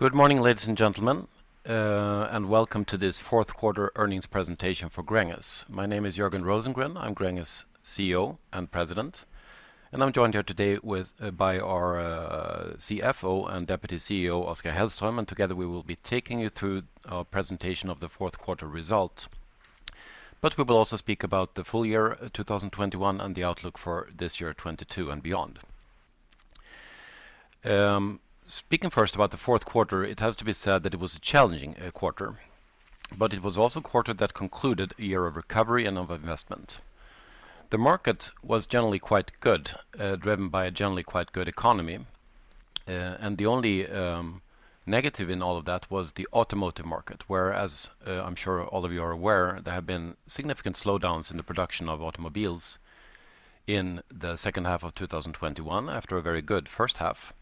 Good morning, ladies and gentlemen, and welcome to this fourth quarter earnings presentation for Gränges. My name is Jörgen Rosengren. I'm Gränges' CEO and President, and I'm joined here today by our CFO and Deputy CEO, Oskar Hellström, and together, we will be taking you through our presentation of the fourth quarter result. We will also speak about the full year 2021 and the outlook for this year, 2022 and beyond. Speaking first about the fourth quarter, it has to be said that it was a challenging quarter, but it was also a quarter that concluded a year of recovery and of investment. The market was generally quite good, driven by a generally quite good economy, and the only negative in all of that was the automotive market, whereas I'm sure all of you are aware, there have been significant slowdowns in the production of automobiles in the second half of 2021 after a very good first half,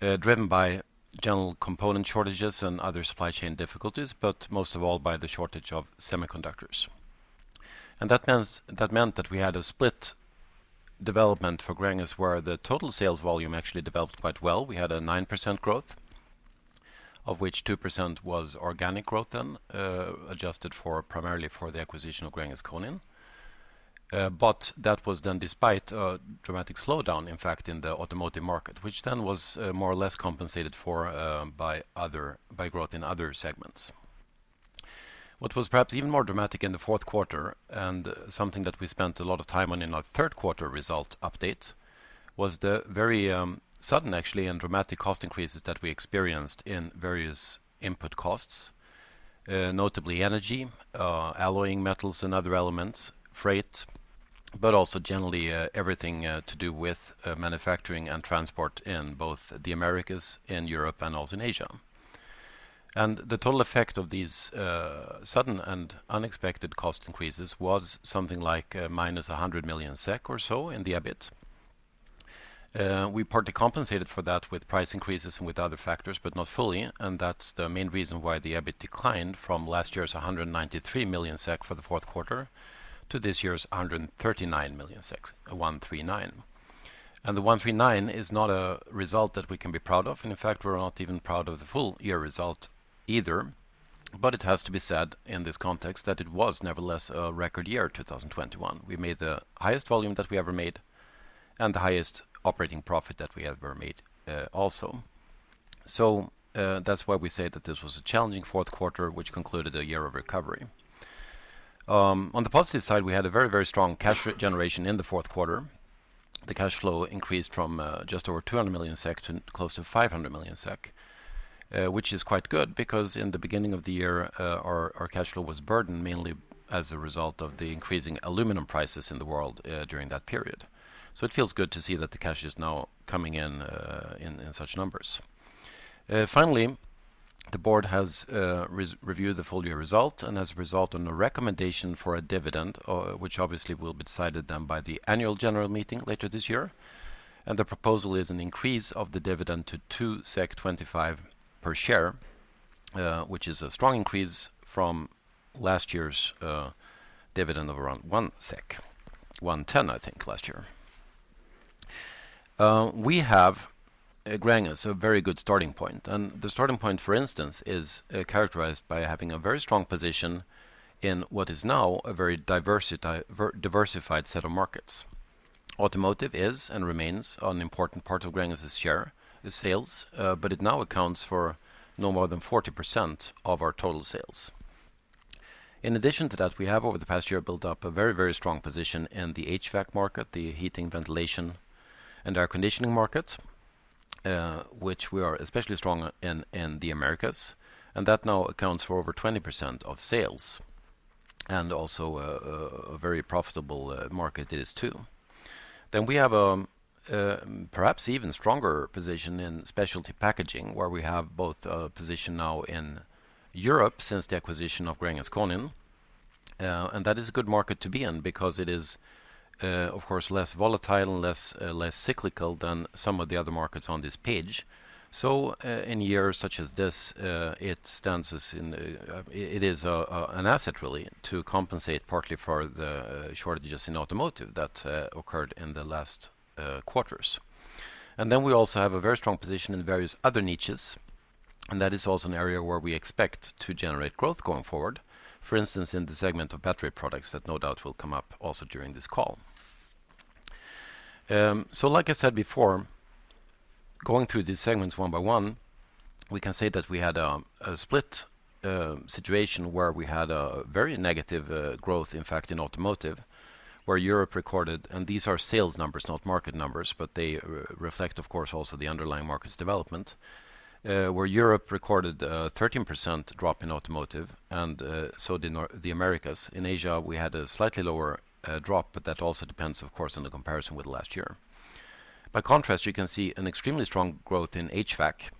driven by general component shortages and other supply chain difficulties, but most of all by the shortage of semiconductors. That meant that we had a split development for Gränges where the total sales volume actually developed quite well. We had a 9% growth, of which 2% was organic growth, adjusted primarily for the acquisition of Gränges Konin. But that was done despite a dramatic slowdown, in fact, in the automotive market, which then was more or less compensated for by growth in other segments. What was perhaps even more dramatic in the fourth quarter and something that we spent a lot of time on in our third quarter result update was the very sudden, actually, and dramatic cost increases that we experienced in various input costs, notably energy, alloying metals and other elements, freight, but also generally everything to do with manufacturing and transport in both the Americas and Europe and also in Asia. The total effect of these sudden and unexpected cost increases was something like minus 100 million SEK or so in the EBIT. We partly compensated for that with price increases and with other factors, but not fully, and that's the main reason why the EBIT declined from last year's 193 million SEK for the fourth quarter to this year's 139 million SEK. The 139 million is not a result that we can be proud of, and in fact, we're not even proud of the full year result either. It has to be said in this context that it was nevertheless a record year, 2021. We made the highest volume that we ever made and the highest operating profit that we ever made, also. That's why we say that this was a challenging fourth quarter, which concluded a year of recovery. On the positive side, we had a very, very strong cash generation in the fourth quarter. The cash flow increased from just over 200 million SEK to close to 500 million SEK, which is quite good because in the beginning of the year, our cash flow was burdened mainly as a result of the increasing aluminum prices in the world during that period. It feels good to see that the cash is now coming in in such numbers. Finally, the board has reviewed the full year result and has resolved on a recommendation for a dividend, which obviously will be decided then by the annual general meeting later this year. The proposal is an increase of the dividend to 2.25 SEK per share, which is a strong increase from last year's dividend of around 1.10 SEK, I think, last year. We have at Gränges a very good starting point, and the starting point, for instance, is characterized by having a very strong position in what is now a very diversified set of markets. Automotive is and remains an important part of Gränges' share, the sales, but it now accounts for no more than 40% of our total sales. In addition to that, we have over the past year built up a very, very strong position in the HVAC market, the heating, ventilation, and air conditioning market, which we are especially strong in the Americas, and that now accounts for over 20% of sales, and also a very profitable market it is, too. We have a perhaps even stronger position in specialty packaging, where we have both a position now in Europe since the acquisition of Gränges Konin, and that is a good market to be in because it is, of course, less volatile and less cyclical than some of the other markets on this page. In years such as this, it stands out in. It is an asset really to compensate partly for the shortages in automotive that occurred in the last quarters. Then we also have a very strong position in various other niches, and that is also an area where we expect to generate growth going forward. For instance, in the segment of battery products that no doubt will come up also during this call. Like I said before, going through these segments one by one, we can say that we had a split situation where we had a very negative growth, in fact, in automotive. These are sales numbers, not market numbers, but they reflect, of course, also the underlying market's development, where Europe recorded a 13% drop in automotive, and so did the Americas. In Asia, we had a slightly lower drop, but that also depends, of course, on the comparison with last year. By contrast, you can see an extremely strong growth in HVAC,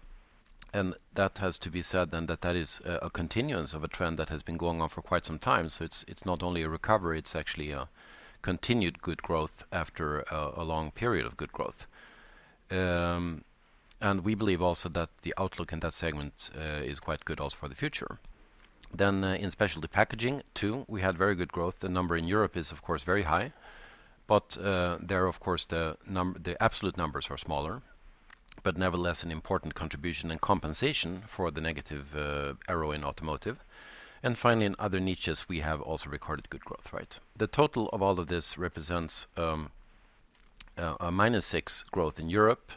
and that has to be said then that that is a continuance of a trend that has been going on for quite some time. So, it's not only a recovery, it's actually a continued good growth after a long period of good growth. We believe also that the outlook in that segment is quite good also for the future. In specialty packaging too, we had very good growth. The number in Europe is of course very high, but there, of course, the absolute numbers are smaller, but nevertheless an important contribution and compensation for the negative area in automotive. Finally, in other niches, we have also recorded good growth, right? The total of all of this represents a -6% growth in Europe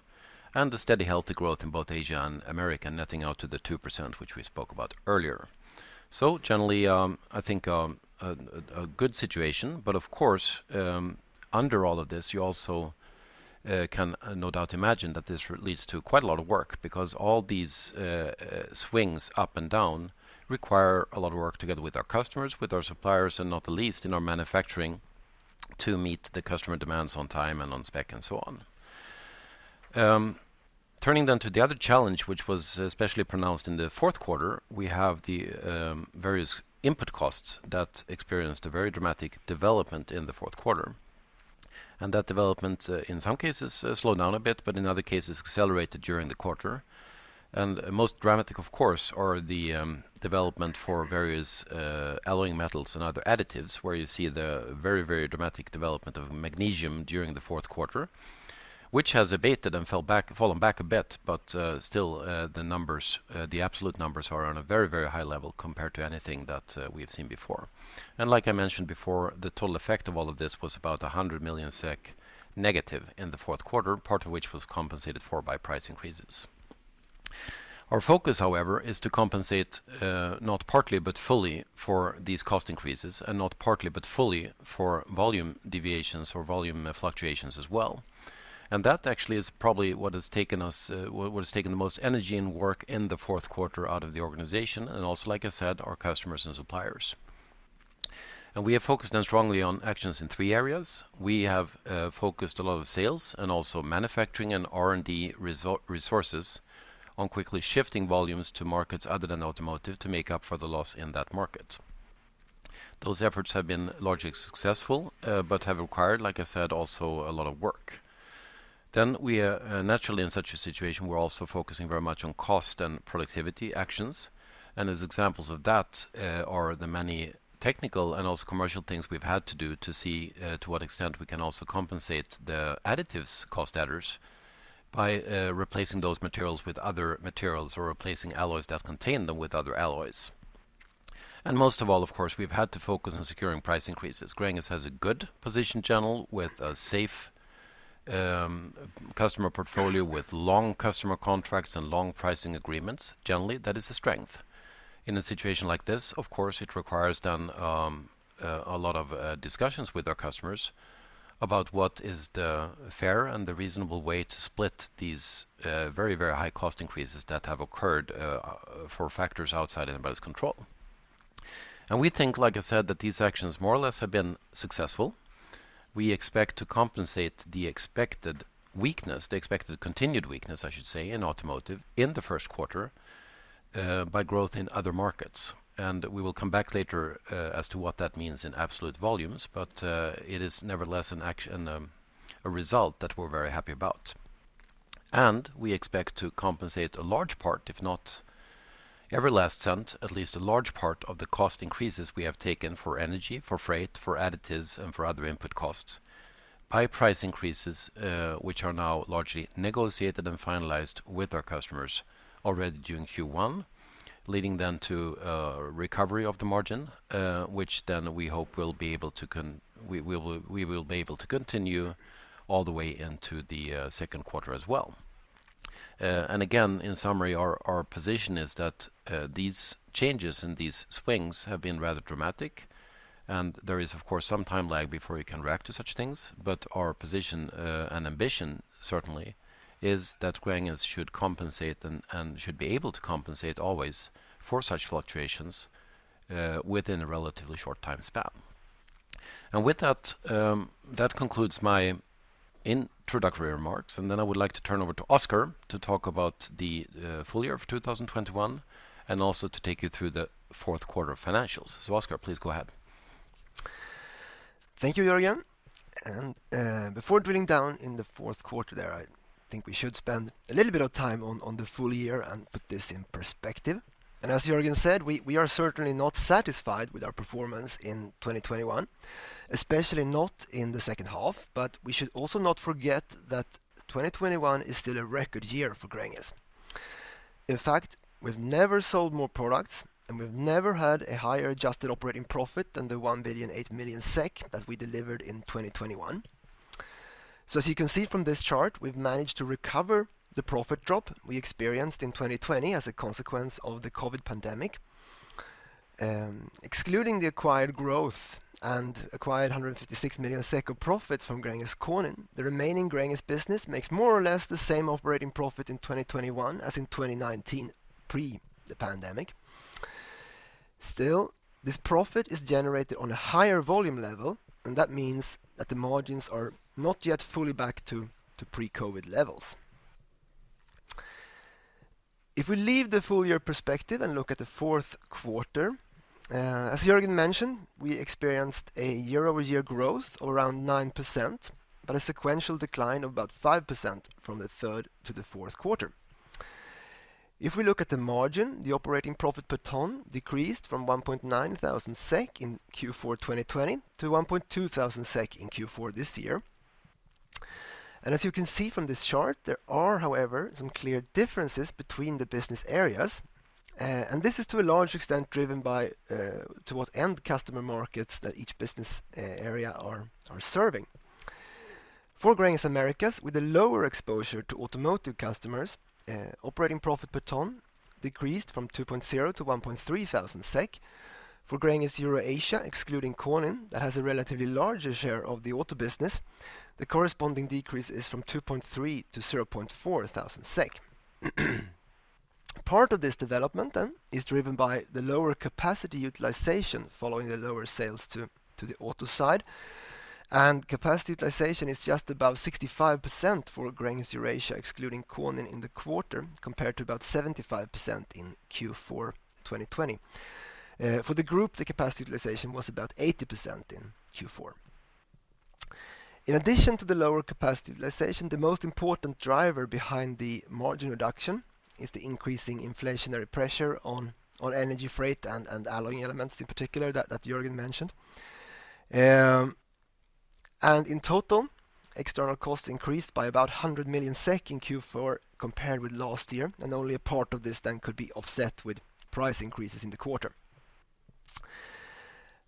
and a steady healthy growth in both Asia and America, netting out to the 2% which we spoke about earlier. Generally, I think a good situation. Of course, under all of this, you also can no doubt imagine that this leads to quite a lot of work because all these swings up and down require a lot of work together with our customers, with our suppliers, and not the least in our manufacturing to meet the customer demands on time and on spec and so on. Turning to the other challenge, which was especially pronounced in the fourth quarter, we have the various input costs that experienced a very dramatic development in the fourth quarter. That development in some cases slowed down a bit, but in other cases accelerated during the quarter. Most dramatic, of course, are the development for various alloying metals and other additives, where you see the very, very dramatic development of magnesium during the fourth quarter, which has abated and fallen back a bit, but still the absolute numbers are on a very, very high level compared to anything that we have seen before. Like I mentioned before, the total effect of all of this was about -100 million SEK in the fourth quarter, part of which was compensated for by price increases. Our focus, however, is to compensate, not partly but fully for these cost increases, and not partly but fully for volume deviations or volume fluctuations as well. That actually is probably what has taken the most energy and work in the fourth quarter out of the organization, and also, like I said, our customers and suppliers. We have focused on strongly on actions in three areas. We have focused a lot of sales and also manufacturing and R&D resources on quickly shifting volumes to markets other than automotive to make up for the loss in that market. Those efforts have been largely successful, but have required, like I said, also a lot of work. We are naturally in such a situation. We're also focusing very much on cost and productivity actions. As examples of that, are the many technical and also commercial things we've had to do to see, to what extent we can also compensate the additives cost adders by, replacing those materials with other materials or replacing alloys that contain them with other alloys. Most of all, of course, we've had to focus on securing price increases. Gränges has a good position generally with a safe, customer portfolio with long customer contracts and long pricing agreements. Generally, that is a strength. In a situation like this, of course, it requires then, a lot of, discussions with our customers about what is the fair and the reasonable way to split these, very, very high cost increases that have occurred, for factors outside anybody's control. We think, like I said, that these actions more or less have been successful. We expect to compensate the expected weakness, the expected continued weakness, I should say, in automotive in the first quarter, by growth in other markets. We will come back later, as to what that means in absolute volumes, but, it is nevertheless a result that we're very happy about. We expect to compensate a large part, if not every last cent, at least a large part of the cost increases we have taken for energy, for freight, for additives, and for other input costs by price increases, which are now largely negotiated and finalized with our customers already during Q1, leading then to recovery of the margin, which then we will be able to continue all the way into the second quarter as well. Again, in summary, our position is that these changes and these swings have been rather dramatic. There is of course some time lag before you can react to such things. Our position and ambition certainly is that Gränges should compensate and should be able to compensate always for such fluctuations within a relatively short time span. With that concludes my introductory remarks. Then I would like to turn over to Oskar to talk about the full year of 2021 and also to take you through the fourth quarter financials. Oskar, please go ahead. Thank you, Jörgen. Before drilling down in the fourth quarter there, I think we should spend a little bit of time on the full year and put this in perspective. As Jörgen said, we are certainly not satisfied with our performance in 2021, especially not in the second half. We should also not forget that 2021 is still a record year for Gränges. In fact, we've never sold more products, and we've never had a higher adjusted operating profit than the 1,008,000,000 SEK that we delivered in 2021. As you can see from this chart, we've managed to recover the profit drop we experienced in 2020 as a consequence of the COVID pandemic. Excluding the acquired growth and acquired 156 million SEK of profits from Gränges Konin, the remaining Gränges business makes more or less the same operating profit in 2021 as in 2019, pre the pandemic. Still, this profit is generated on a higher volume level, and that means that the margins are not yet fully back to pre-COVID levels. If we leave the full year perspective and look at the fourth quarter, as Jörgen mentioned, we experienced a year-over-year growth of around 9%. A sequential decline of about 5% from the third to the fourth quarter. If we look at the margin, the operating profit per ton decreased from 1.9 thousand SEK in Q4 2020 to 1.2 thousand SEK in Q4 this year. As you can see from this chart, there are, however, some clear differences between the business areas. This is to a large extent driven by the end customer markets that each business area are serving. For Gränges Americas, with a lower exposure to automotive customers, operating profit per ton decreased from 2.0 thousand-1.3 thousand SEK. For Gränges Eurasia, excluding Konin, that has a relatively larger share of the auto business, the corresponding decrease is from 2.3 thousand-0.4 thousand SEK. Part of this development then is driven by the lower capacity utilization following the lower sales to the auto side, and capacity utilization is just above 65% for Gränges Eurasia, excluding Konin in the quarter, compared to about 75% in Q4 2020. For the group, the capacity utilization was about 80% in Q4. In addition to the lower capacity utilization, the most important driver behind the margin reduction is the increasing inflationary pressure on energy freight and alloy elements in particular that Jörgen mentioned. In total, external costs increased by about 100 million SEK in Q4 compared with last year, and only a part of this then could be offset with price increases in the quarter.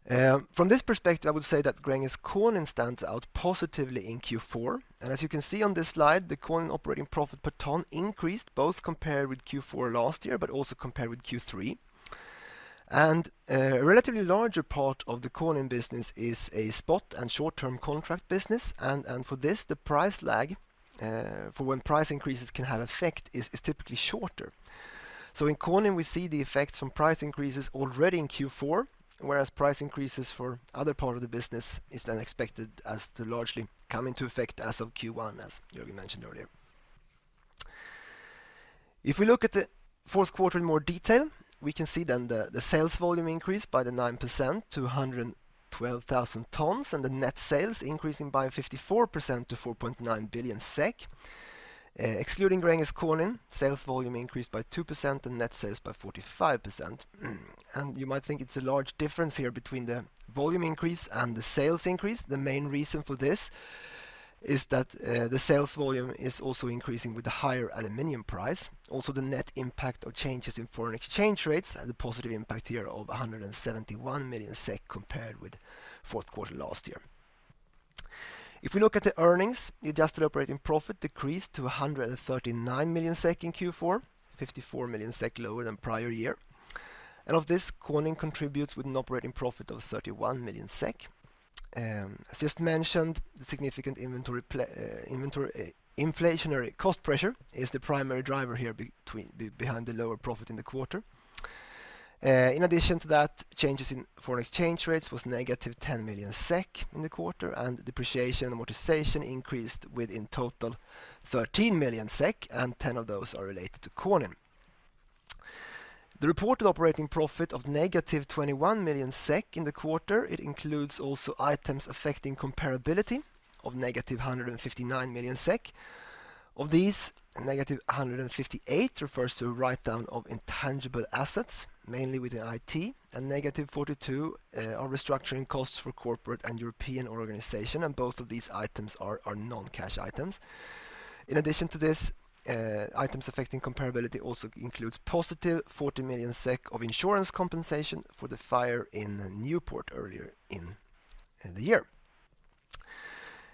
From this perspective, I would say that Gränges Konin stands out positively in Q4. As you can see on this slide, the Konin operating profit per ton increased both compared with Q4 last year, but also compared with Q3. A relatively larger part of the Konin business is a spot and short-term contract business. For this, the price lag for when price increases can have effect is typically shorter. In Konin, we see the effects from price increases already in Q4, whereas price increases for other part of the business is then expected as to largely come into effect as of Q1, as Jörgen mentioned earlier. If we look at the fourth quarter in more detail, we can see the sales volume increased by 9% to 112,000 tons, and the net sales increasing by 54% to 4.9 billion SEK. Excluding Gränges Konin, sales volume increased by 2% and net sales by 45%. You might think it's a large difference here between the volume increase and the sales increase. The main reason for this is that the sales volume is also increasing with the higher aluminum price. The net impact of changes in foreign exchange rates and the positive impact here of 171 million SEK compared with fourth quarter last year. If we look at the earnings, the adjusted operating profit decreased to 139 million SEK in Q4, 54 million SEK lower than prior year. Of this, Konin contributes with an operating profit of 31 million SEK. As just mentioned, the significant inventory inflationary cost pressure is the primary driver here behind the lower profit in the quarter. In addition to that, changes in foreign exchange rates was -10 million SEK in the quarter, and depreciation and amortization increased with in total 13 million SEK, and 10 million of those are related to Konin. The reported operating profit of -21 million SEK in the quarter, it includes also items affecting comparability of -159 million SEK. Of these, -158 refers to a write-down of intangible assets, mainly within IT, and -42 are restructuring costs for corporate and European organization, and both of these items are non-cash items. In addition to this, items affecting comparability also includes +40 million SEK of insurance compensation for the fire in Newport earlier in the year.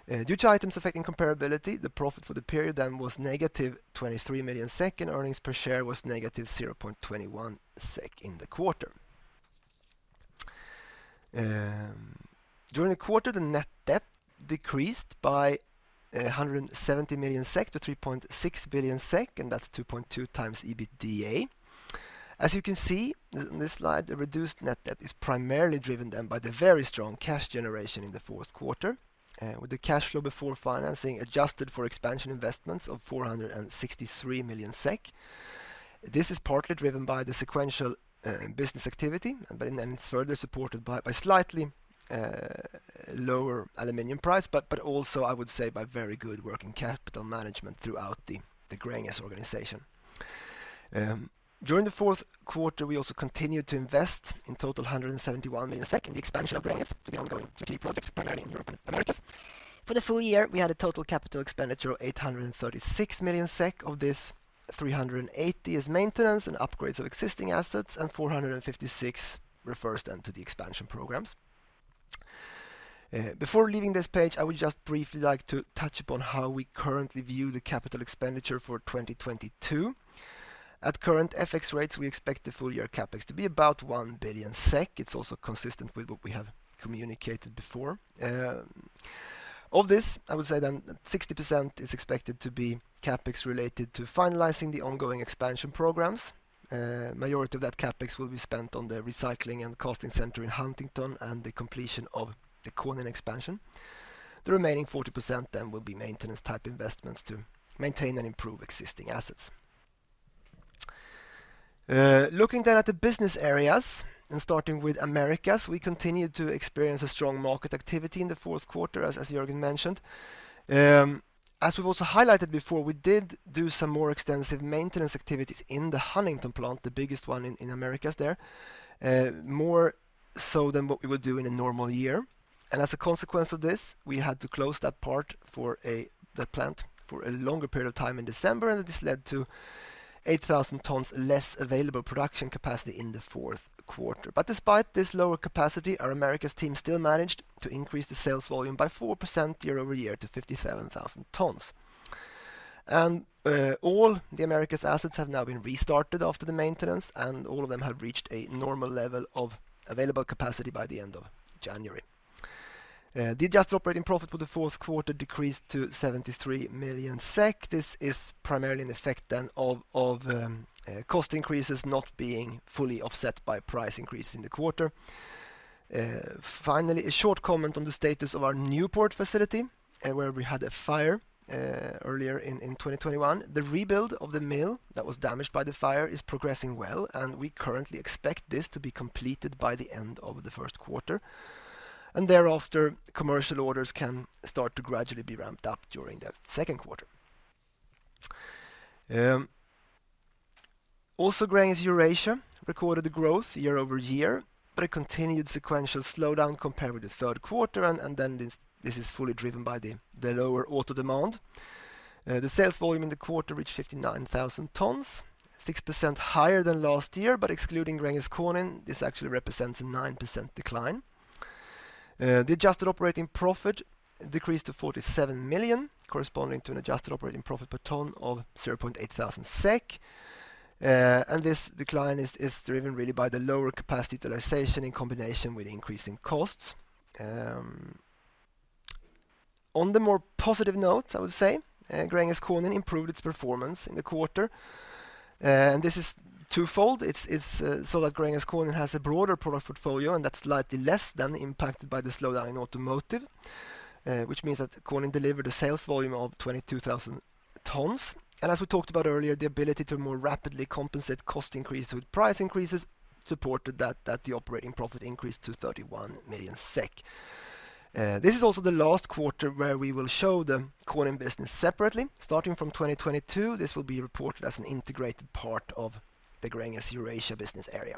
Due to items affecting comparability, the profit for the period then was -23 million SEK, and earnings per share was -0.21 SEK in the quarter. During the quarter, the net debt decreased by 170 million SEK- 3.6 billion SEK, and that's 2.2x EBITDA. As you can see in this slide, the reduced net debt is primarily driven then by the very strong cash generation in the fourth quarter, with the cash flow before financing adjusted for expansion investments of 463 million SEK. This is partly driven by the sequential business activity, but it then is further supported by slightly lower aluminum price, but also I would say by very good working capital management throughout the Gränges organization. During the fourth quarter, we also continued to invest in total 171 million in the expansion of Gränges to the ongoing strategic projects, primarily in Europe and Americas. For the full year, we had a total capital expenditure of 836 million SEK. Of this, 380 million is maintenance and upgrades of existing assets, and 456 million refers then to the expansion programs. Before leaving this page, I would just briefly like to touch upon how we currently view the capital expenditure for 2022. At current FX rates, we expect the full-year CapEx to be about 1 billion SEK. It's also consistent with what we have communicated before. Of this, I would say then 60% is expected to be CapEx related to finalizing the ongoing expansion programs. Majority of that CapEx will be spent on the recycling and casting center in Huntington and the completion of the Konin expansion. The remaining 40% then will be maintenance type investments to maintain and improve existing assets. Looking then at the business areas and starting with Americas, we continued to experience a strong market activity in the fourth quarter, as Jörgen mentioned. As we've also highlighted before, we did do some more extensive maintenance activities in the Huntington plant, the biggest one in Americas there, more so than what we would do in a normal year. As a consequence of this, we had to close that plant for a longer period of time in December, and this led to 8,000 tons less available production capacity in the fourth quarter. Despite this lower capacity, our Americas team still managed to increase the sales volume by 4% year-over-year to 57,000 tons. All the Americas assets have now been restarted after the maintenance, and all of them have reached a normal level of available capacity by the end of January. The adjusted operating profit for the fourth quarter decreased to 73 million SEK. This is primarily an effect then of cost increases not being fully offset by price increases in the quarter. Finally, a short comment on the status of our Newport facility, where we had a fire earlier in 2021. The rebuild of the mill that was damaged by the fire is progressing well, and we currently expect this to be completed by the end of the first quarter, and thereafter, commercial orders can start to gradually be ramped up during that second quarter. Also, Gränges Eurasia recorded a growth year-over-year, but a continued sequential slowdown compared with the third quarter, and then this is fully driven by the lower auto demand. The sales volume in the quarter reached 59,000 tons, 6% higher than last year, but excluding Gränges Konin, this actually represents a 9% decline. The adjusted operating profit decreased to 47 million, corresponding to an adjusted operating profit per ton of 0.8 thousand SEK. This decline is driven really by the lower capacity utilization in combination with increasing costs. On the more positive note, I would say, Gränges Konin improved its performance in the quarter. This is twofold. Gränges Konin has a broader product portfolio, and that's slightly less impacted by the slowdown in automotive, which means that Konin delivered a sales volume of 22,000 tons. As we talked about earlier, the ability to more rapidly compensate cost increase with price increases supported that the operating profit increased to 31 million SEK. This is also the last quarter where we will show the Konin business separately. Starting from 2022, this will be reported as an integrated part of the Gränges Eurasia business area.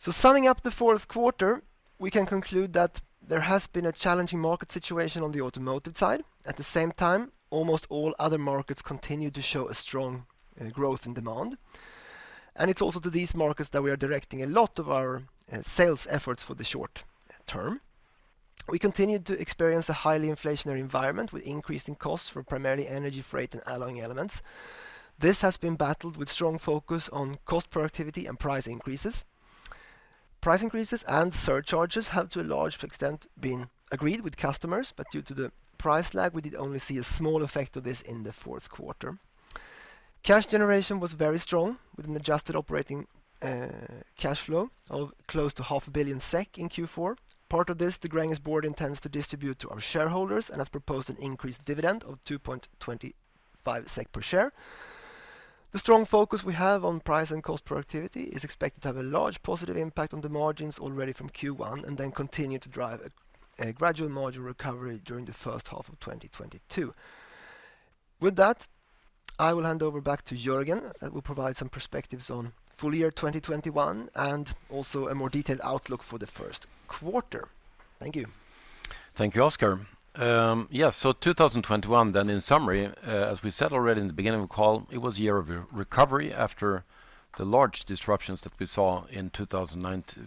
Summing up the fourth quarter, we can conclude that there has been a challenging market situation on the automotive side. At the same time, almost all other markets continued to show a strong growth in demand. It's also to these markets that we are directing a lot of our sales efforts for the short term. We continued to experience a highly inflationary environment with increasing costs for primarily energy, freight, and alloying elements. This has been battled with strong focus on cost productivity and price increases. Price increases and surcharges have to a large extent been agreed with customers, but due to the price lag, we did only see a small effect of this in the fourth quarter. Cash generation was very strong, with an adjusted operating cash flow of close to 500 million SEK in Q4. Part of this, the Gränges board intends to distribute to our shareholders and has proposed an increased dividend of 2.25 SEK per share. The strong focus we have on price and cost productivity is expected to have a large positive impact on the margins already from Q1, and then continue to drive a gradual margin recovery during the first half of 2022. With that, I will hand over back to Jörgen, who will provide some perspectives on full year 2021 and also a more detailed outlook for the first quarter. Thank you. Thank you, Oskar. Yeah, 2021 then in summary, as we said already in the beginning of the call, it was a year of recovery after the large disruptions that we saw in 2020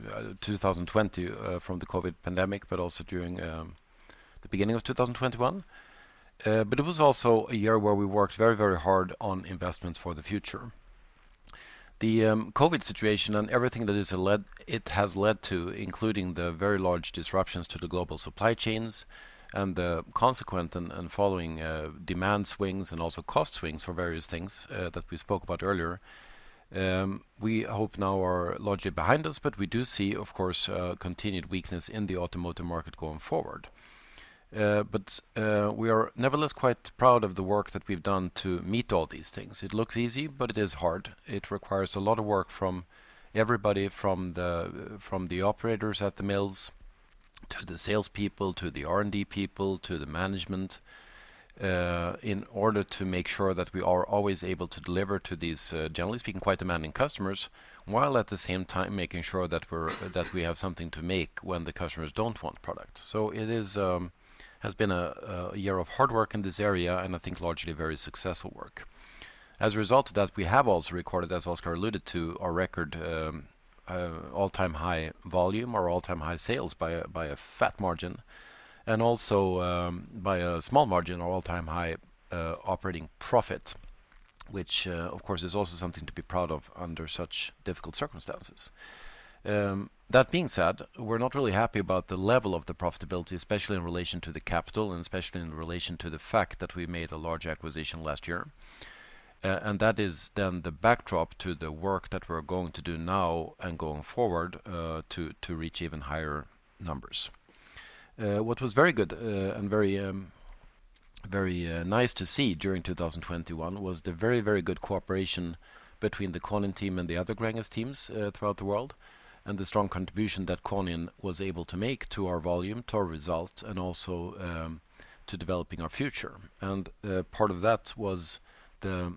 from the COVID pandemic, but also during the beginning of 2021. It was also a year where we worked very, very hard on investments for the future. The COVID situation and everything it has led to, including the very large disruptions to the global supply chains and the consequent and following demand swings and also cost swings for various things that we spoke about earlier, we hope now are largely behind us, but we do see, of course, continued weakness in the automotive market going forward. We are nevertheless quite proud of the work that we've done to meet all these things. It looks easy, but it is hard. It requires a lot of work from everybody, from the operators at the mills, to the salespeople, to the R&D people, to the management, in order to make sure that we are always able to deliver to these, generally speaking, quite demanding customers, while at the same time making sure that we have something to make when the customers don't want products. It has been a year of hard work in this area, and I think largely very successful work. As a result of that, we have also recorded, as Oscar alluded to, a record, all-time high volume or all-time high sales by a fat margin, and also, by a small margin, our all-time high operating profit, which, of course, is also something to be proud of under such difficult circumstances. That being said, we're not really happy about the level of the profitability, especially in relation to the capital and especially in relation to the fact that we made a large acquisition last year. That is then the backdrop to the work that we're going to do now and going forward, to reach even higher numbers. What was very good and very nice to see during 2021 was the very good cooperation between the Konin team and the other Gränges teams throughout the world, and the strong contribution that Konin was able to make to our volume, to our results, and also to developing our future. Part of that was the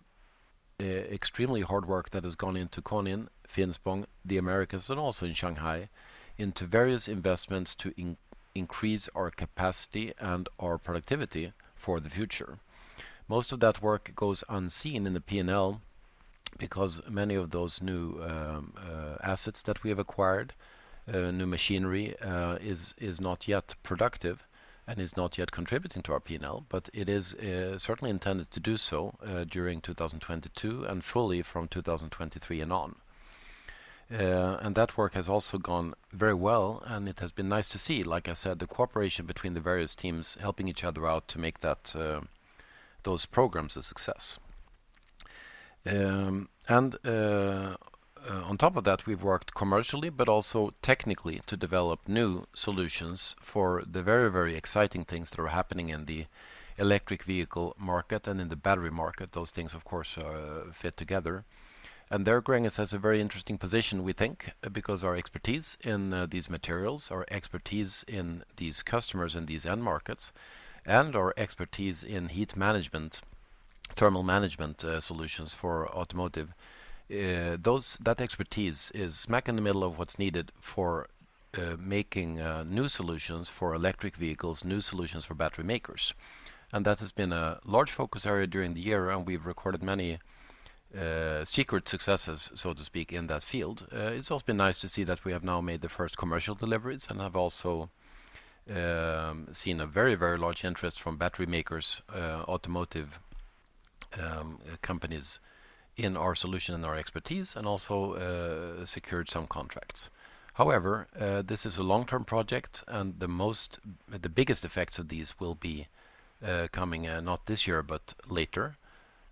extremely hard work that has gone into Konin, Finspång, the Americas, and also in Shanghai, into various investments to increase our capacity and our productivity for the future. Most of that work goes unseen in the P&L because many of those new assets that we have acquired, new machinery, is not yet productive and is not yet contributing to our P&L. It is certainly intended to do so during 2022 and fully from 2023 and on. That work has also gone very well, and it has been nice to see, like I said, the cooperation between the various teams helping each other out to make those programs a success. On top of that, we've worked commercially but also technically to develop new solutions for the very, very exciting things that are happening in the electric vehicle market and in the battery market. Those things, of course, fit together. There Gränges has a very interesting position, we think, because our expertise in these materials, our expertise in these customers in these end markets, and our expertise in heat management, thermal management solutions for automotive, that expertise is smack in the middle of what's needed for making new solutions for electric vehicles, new solutions for battery makers. That has been a large focus area during the year, and we've recorded many secret successes, so to speak, in that field. It's also been nice to see that we have now made the first commercial deliveries, and I've also seen a very, very large interest from battery makers, automotive companies in our solution and our expertise and also secured some contracts. However, this is a long-term project, and the biggest effects of these will be coming not this year, but later.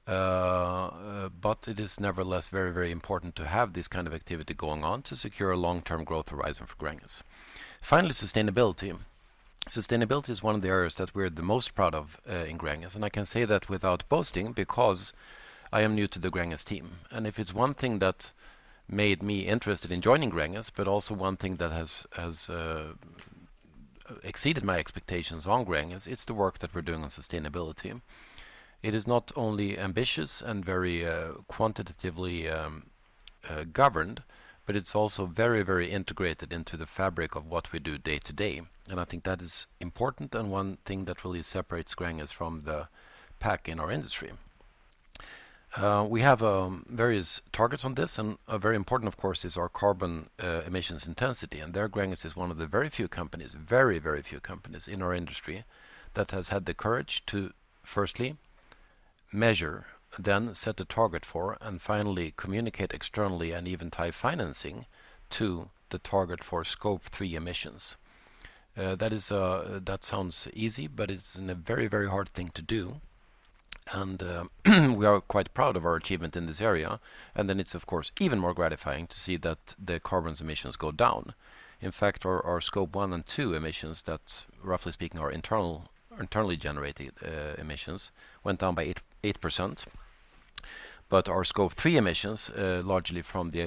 But it is nevertheless very, very important to have this kind of activity going on to secure a long-term growth horizon for Gränges. Finally, sustainability. Sustainability is one of the areas that we're the most proud of in Gränges, and I can say that without boasting because I am new to the Gränges team. If it's one thing that made me interested in joining Gränges, but also one thing that has exceeded my expectations on Gränges, it's the work that we're doing on sustainability. It is not only ambitious and very quantitatively governed, but it's also very, very integrated into the fabric of what we do day to day. I think that is important and one thing that really separates Gränges from the pack in our industry. We have various targets on this, and very important, of course, is our carbon emissions intensity. There Gränges is one of the very few companies in our industry that has had the courage to firstly measure, then set a target for, and finally communicate externally and even tie financing to the target for Scope 3 emissions. That sounds easy, but it's a very hard thing to do, and we are quite proud of our achievement in this area. Then it's of course, even more gratifying to see that the carbon emissions go down. In fact, our Scope 1 and 2 emissions that, roughly speaking, are internally generated emissions went down by 8%. Our Scope 3 emissions, largely from the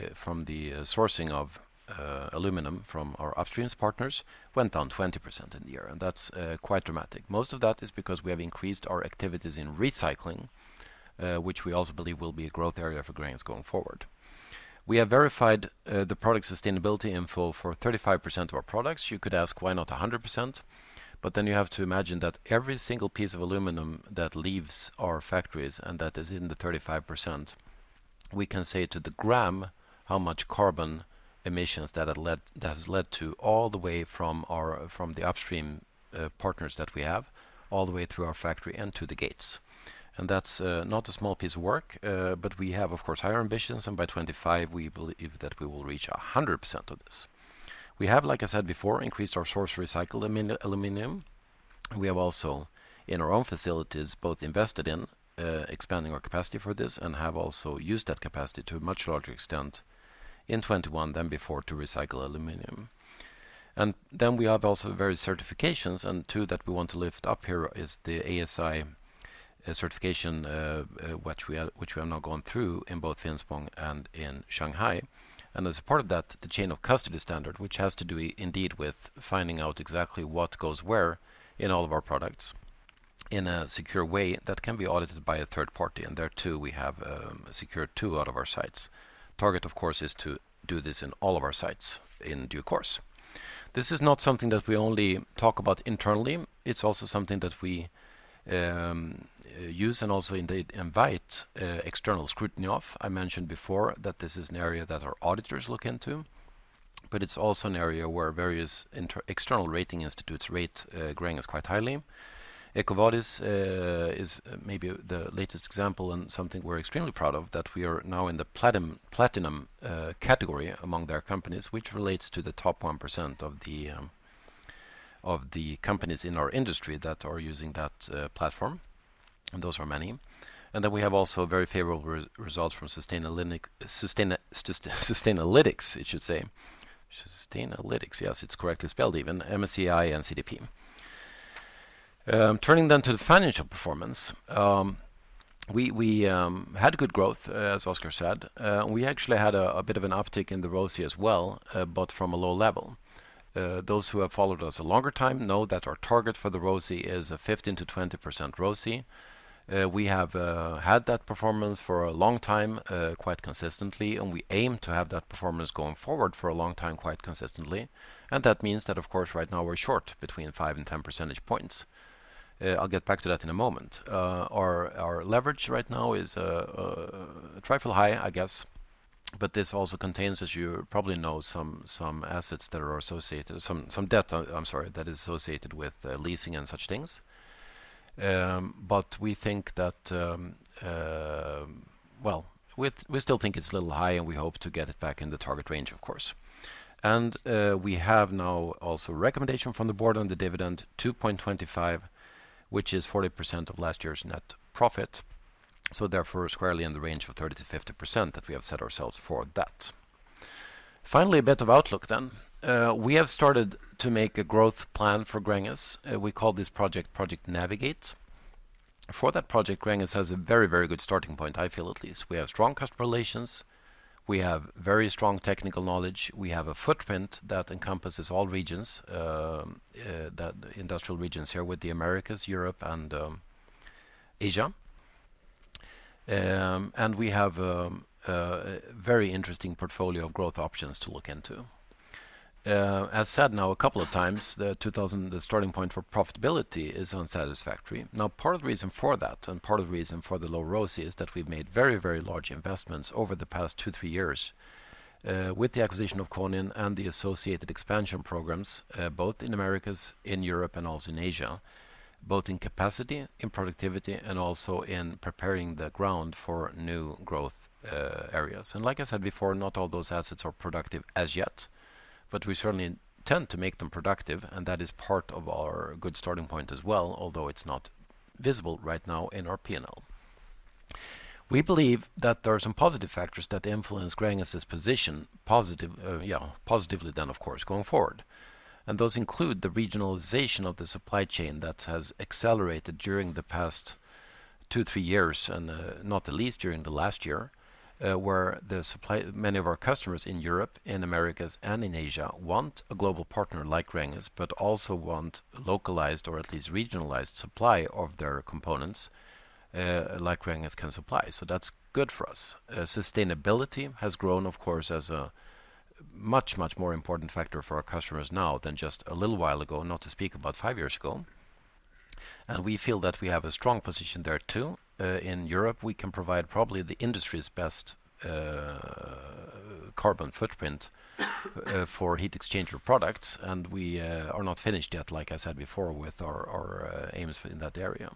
sourcing of aluminum from our upstream partners, went down 20% in the year, and that's quite dramatic. Most of that is because we have increased our activities in recycling, which we also believe will be a growth area for Gränges going forward. We have verified the product sustainability info for 35% of our products. You could ask, why not 100%? You have to imagine that every single piece of aluminum that leaves our factories and that is in the 35%, we can say to the gram how much carbon emissions that has led to all the way from the upstream partners that we have, all the way through our factory and to the gates. That's not a small piece of work, but we have, of course, higher ambitions, and by 2025, we believe that we will reach 100% of this. We have, like I said before, increased our sourced recycled aluminum. We have also, in our own facilities, both invested in expanding our capacity for this and have also used that capacity to a much larger extent in 2021 than before to recycle aluminum. We have also various certifications, and two that we want to lift up here is the ASI certification, which we have now gone through in both Finspång and in Shanghai. As a part of that, the chain of custody standard, which has to do indeed with finding out exactly what goes where in all of our products in a secure way that can be audited by a third party. There, too, we have secured two out of our sites. Target, of course, is to do this in all of our sites in due course. This is not something that we only talk about internally. It's also something that we use and also indeed invite external scrutiny of. I mentioned before that this is an area that our auditors look into, but it's also an area where various external rating institutes rate Gränges quite highly. EcoVadis is maybe the latest example and something we're extremely proud of, that we are now in the platinum category among their companies, which relates to the top 1% of the companies in our industry that are using that platform. Those were many. We have also very favorable results from Sustainalytics, yes, it's correctly spelled even, MSCI and CDP. Turning to the financial performance, we had good growth, as Oskar said. We actually had a bit of an uptick in the ROCE as well, but from a low level. Those who have followed us a longer time know that our target for the ROCE is a 15%-20% ROCE. We have had that performance for a long time quite consistently, and we aim to have that performance going forward for a long time quite consistently. That means that, of course, right now we're short between 5 and 10 percentage points. I'll get back to that in a moment. Our leverage right now is a trifle high, I guess, but this also contains, as you probably know, some debt, I'm sorry, that is associated with leasing and such things. Well, we still think it's a little high, and we hope to get it back in the target range, of course. We have now also a recommendation from the board on the dividend, 2.25, which is 40% of last year's net profit, so therefore squarely in the range of 30%-50% that we have set ourselves for that. Finally, a bit of outlook then. We have started to make a growth plan for Gränges. We call this project Project Navigate. For that project, Gränges has a very good starting point, I feel at least. We have strong customer relations. We have very strong technical knowledge. We have a footprint that encompasses all regions, the industrial regions here with the Americas, Europe and, Asia. We have a very interesting portfolio of growth options to look into. As said now a couple of times, the starting point for profitability is unsatisfactory. Now, part of the reason for that and part of the reason for the low ROCE is that we've made very, very large investments over the past two, three years with the acquisition of Konin and the associated expansion programs both in Americas, in Europe, and also in Asia, both in capacity, in productivity, and also in preparing the ground for new growth areas. Like I said before, not all those assets are productive as yet, but we certainly intend to make them productive, and that is part of our good starting point as well, although it's not visible right now in our P&L. We believe that there are some positive factors that influence Gränges' position positively then, of course, going forward. Those include the regionalization of the supply chain that has accelerated during the past two, three years and, not the least during the last year, where many of our customers in Europe, in Americas, and in Asia want a global partner like Gränges, but also want localized or at least regionalized supply of their components, like Gränges can supply. So that's good for us. Sustainability has grown, of course, as a much more important factor for our customers now than just a little while ago, not to speak about five years ago. We feel that we have a strong position there, too. In Europe, we can provide probably the industry's best carbon footprint for heat exchanger products, and we are not finished yet, like I said before, with our aims in that area.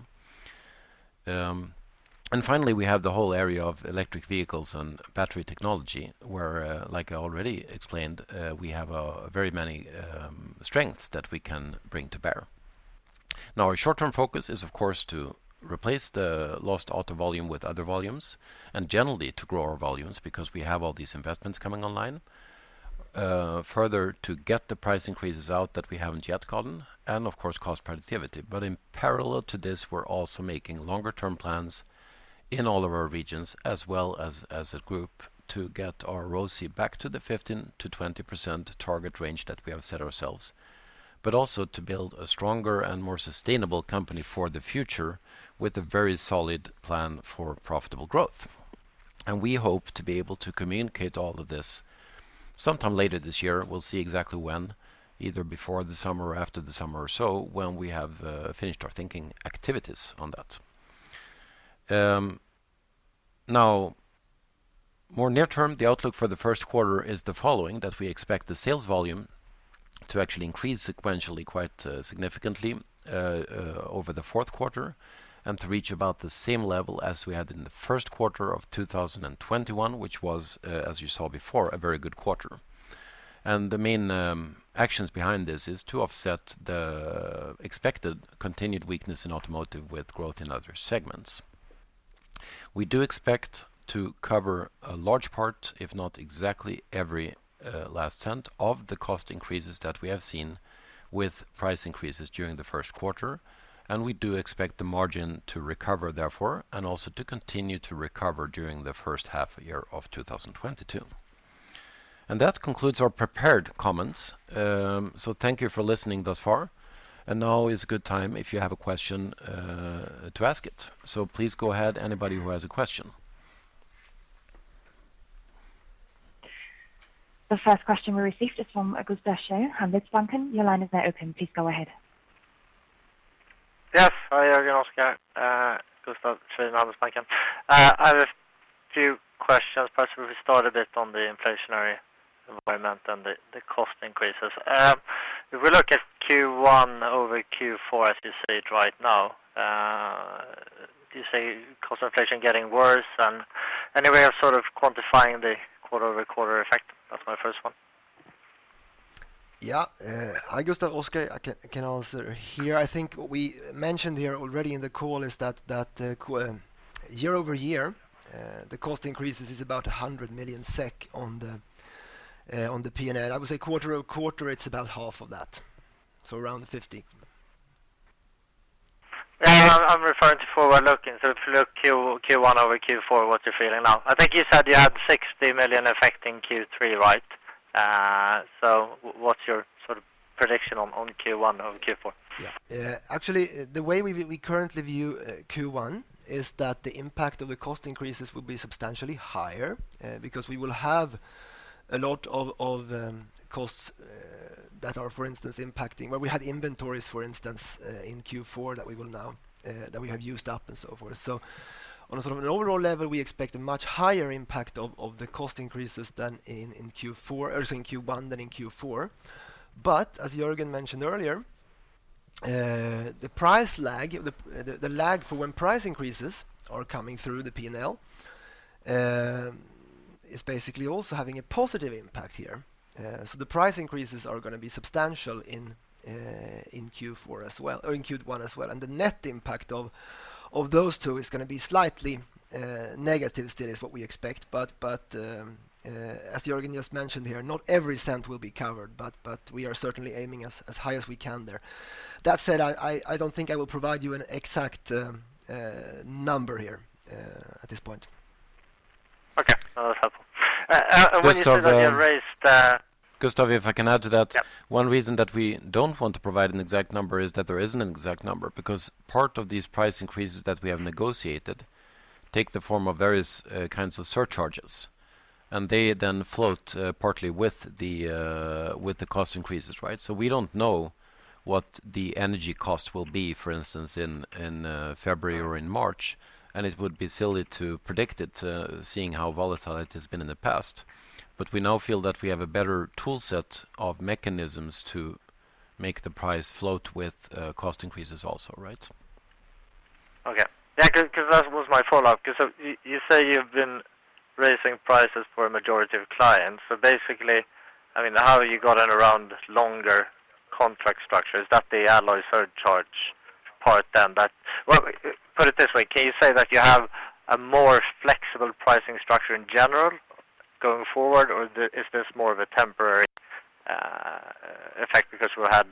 Finally, we have the whole area of electric vehicles and battery technology where, like I already explained, we have very many strengths that we can bring to bear. Now, our short-term focus is, of course, to replace the lost auto volume with other volumes and generally to grow our volumes because we have all these investments coming online. Further, to get the price increases out that we haven't yet gotten and, of course, cost productivity. In parallel to this, we're also making longer-term plans in all of our regions as well as a group to get our ROCE back to the 15%-20% target range that we have set ourselves, but also to build a stronger and more sustainable company for the future with a very solid plan for profitable growth. We hope to be able to communicate all of this sometime later this year. We'll see exactly when, either before the summer or after the summer or so, when we have finished our thinking activities on that. Now more near-term, the outlook for the first quarter is the following, that we expect the sales volume to actually increase sequentially quite significantly over the fourth quarter and to reach about the same level as we had in the first quarter of 2021, which was, as you saw before, a very good quarter. The main actions behind this is to offset the expected continued weakness in automotive with growth in other segments. We do expect to cover a large part, if not exactly every last cent of the cost increases that we have seen with price increases during the first quarter, and we do expect the margin to recover therefore and also to continue to recover during the first half year of 2022. That concludes our prepared comments. Thank you for listening thus far. Now is a good time if you have a question to ask it. Please go ahead, anybody who has a question. The first question we received is from Gustaf Schwerin, Handelsbanken. Your line is now open. Please go ahead. Yes. Hi, Jörgen and Oskar. Gustaf Schwerin, Handelsbanken. I have a few questions. Perhaps we will start a bit on the inflationary environment and the cost increases. If we look at Q1 over Q4, as you see it right now, do you see cost inflation getting worse? Any way of sort of quantifying the quarter-over-quarter effect? That's my first one. Yeah. Hi, Gustaf. Oskar, I can answer here. I think what we mentioned here already in the call is that year-over-year, the cost increases is about 100 million SEK on the P&L. I would say quarter-over-quarter, it's about half of that, so around 50 million. Yeah. I'm referring to forward-looking, so if you look Q1 over Q4, what you're feeling now. I think you said you had 60 million effect in Q3, right? What's your sort of prediction on Q1 over Q4? Yeah. Actually, the way we currently view Q1 is that the impact of the cost increases will be substantially higher, because we will have a lot of costs that are, for instance, impacting. Well, we had inventories, for instance, in Q4 that we have used up and so forth. On a sort of an overall level, we expect a much higher impact of the cost increases than in Q4, or say in Q1 than in Q4. As Jörgen mentioned earlier, the price lag, the lag for when price increases are coming through the P&L, is basically also having a positive impact here. The price increases are gonna be substantial in Q4 as well, or in Q1 as well. The net impact of those two is gonna be slightly negative still, is what we expect. As Jörgen just mentioned here, not every cent will be covered, but we are certainly aiming as high as we can there. That said, I don't think I will provide you an exact number here at this point. Okay. No, that's helpful. When you said that you raised. Gustaf, if I can add to that. Yeah. One reason that we don't want to provide an exact number is that there isn't an exact number, because part of these price increases that we have negotiated take the form of various kinds of surcharges, and they then float partly with the cost increases, right? We don't know what the energy cost will be, for instance, in February or in March, and it would be silly to predict it, seeing how volatile it has been in the past. We now feel that we have a better tool set of mechanisms to make the price float with cost increases also, right? Okay. Yeah, 'cause that was my follow-up. 'Cause you say you've been raising prices for a majority of clients, so basically, I mean, how are you going around longer contract structures? Is that the alloy surcharge part then? Well, put it this way. Can you say that you have a more flexible pricing structure in general going forward, or is this more of a temporary effect because we had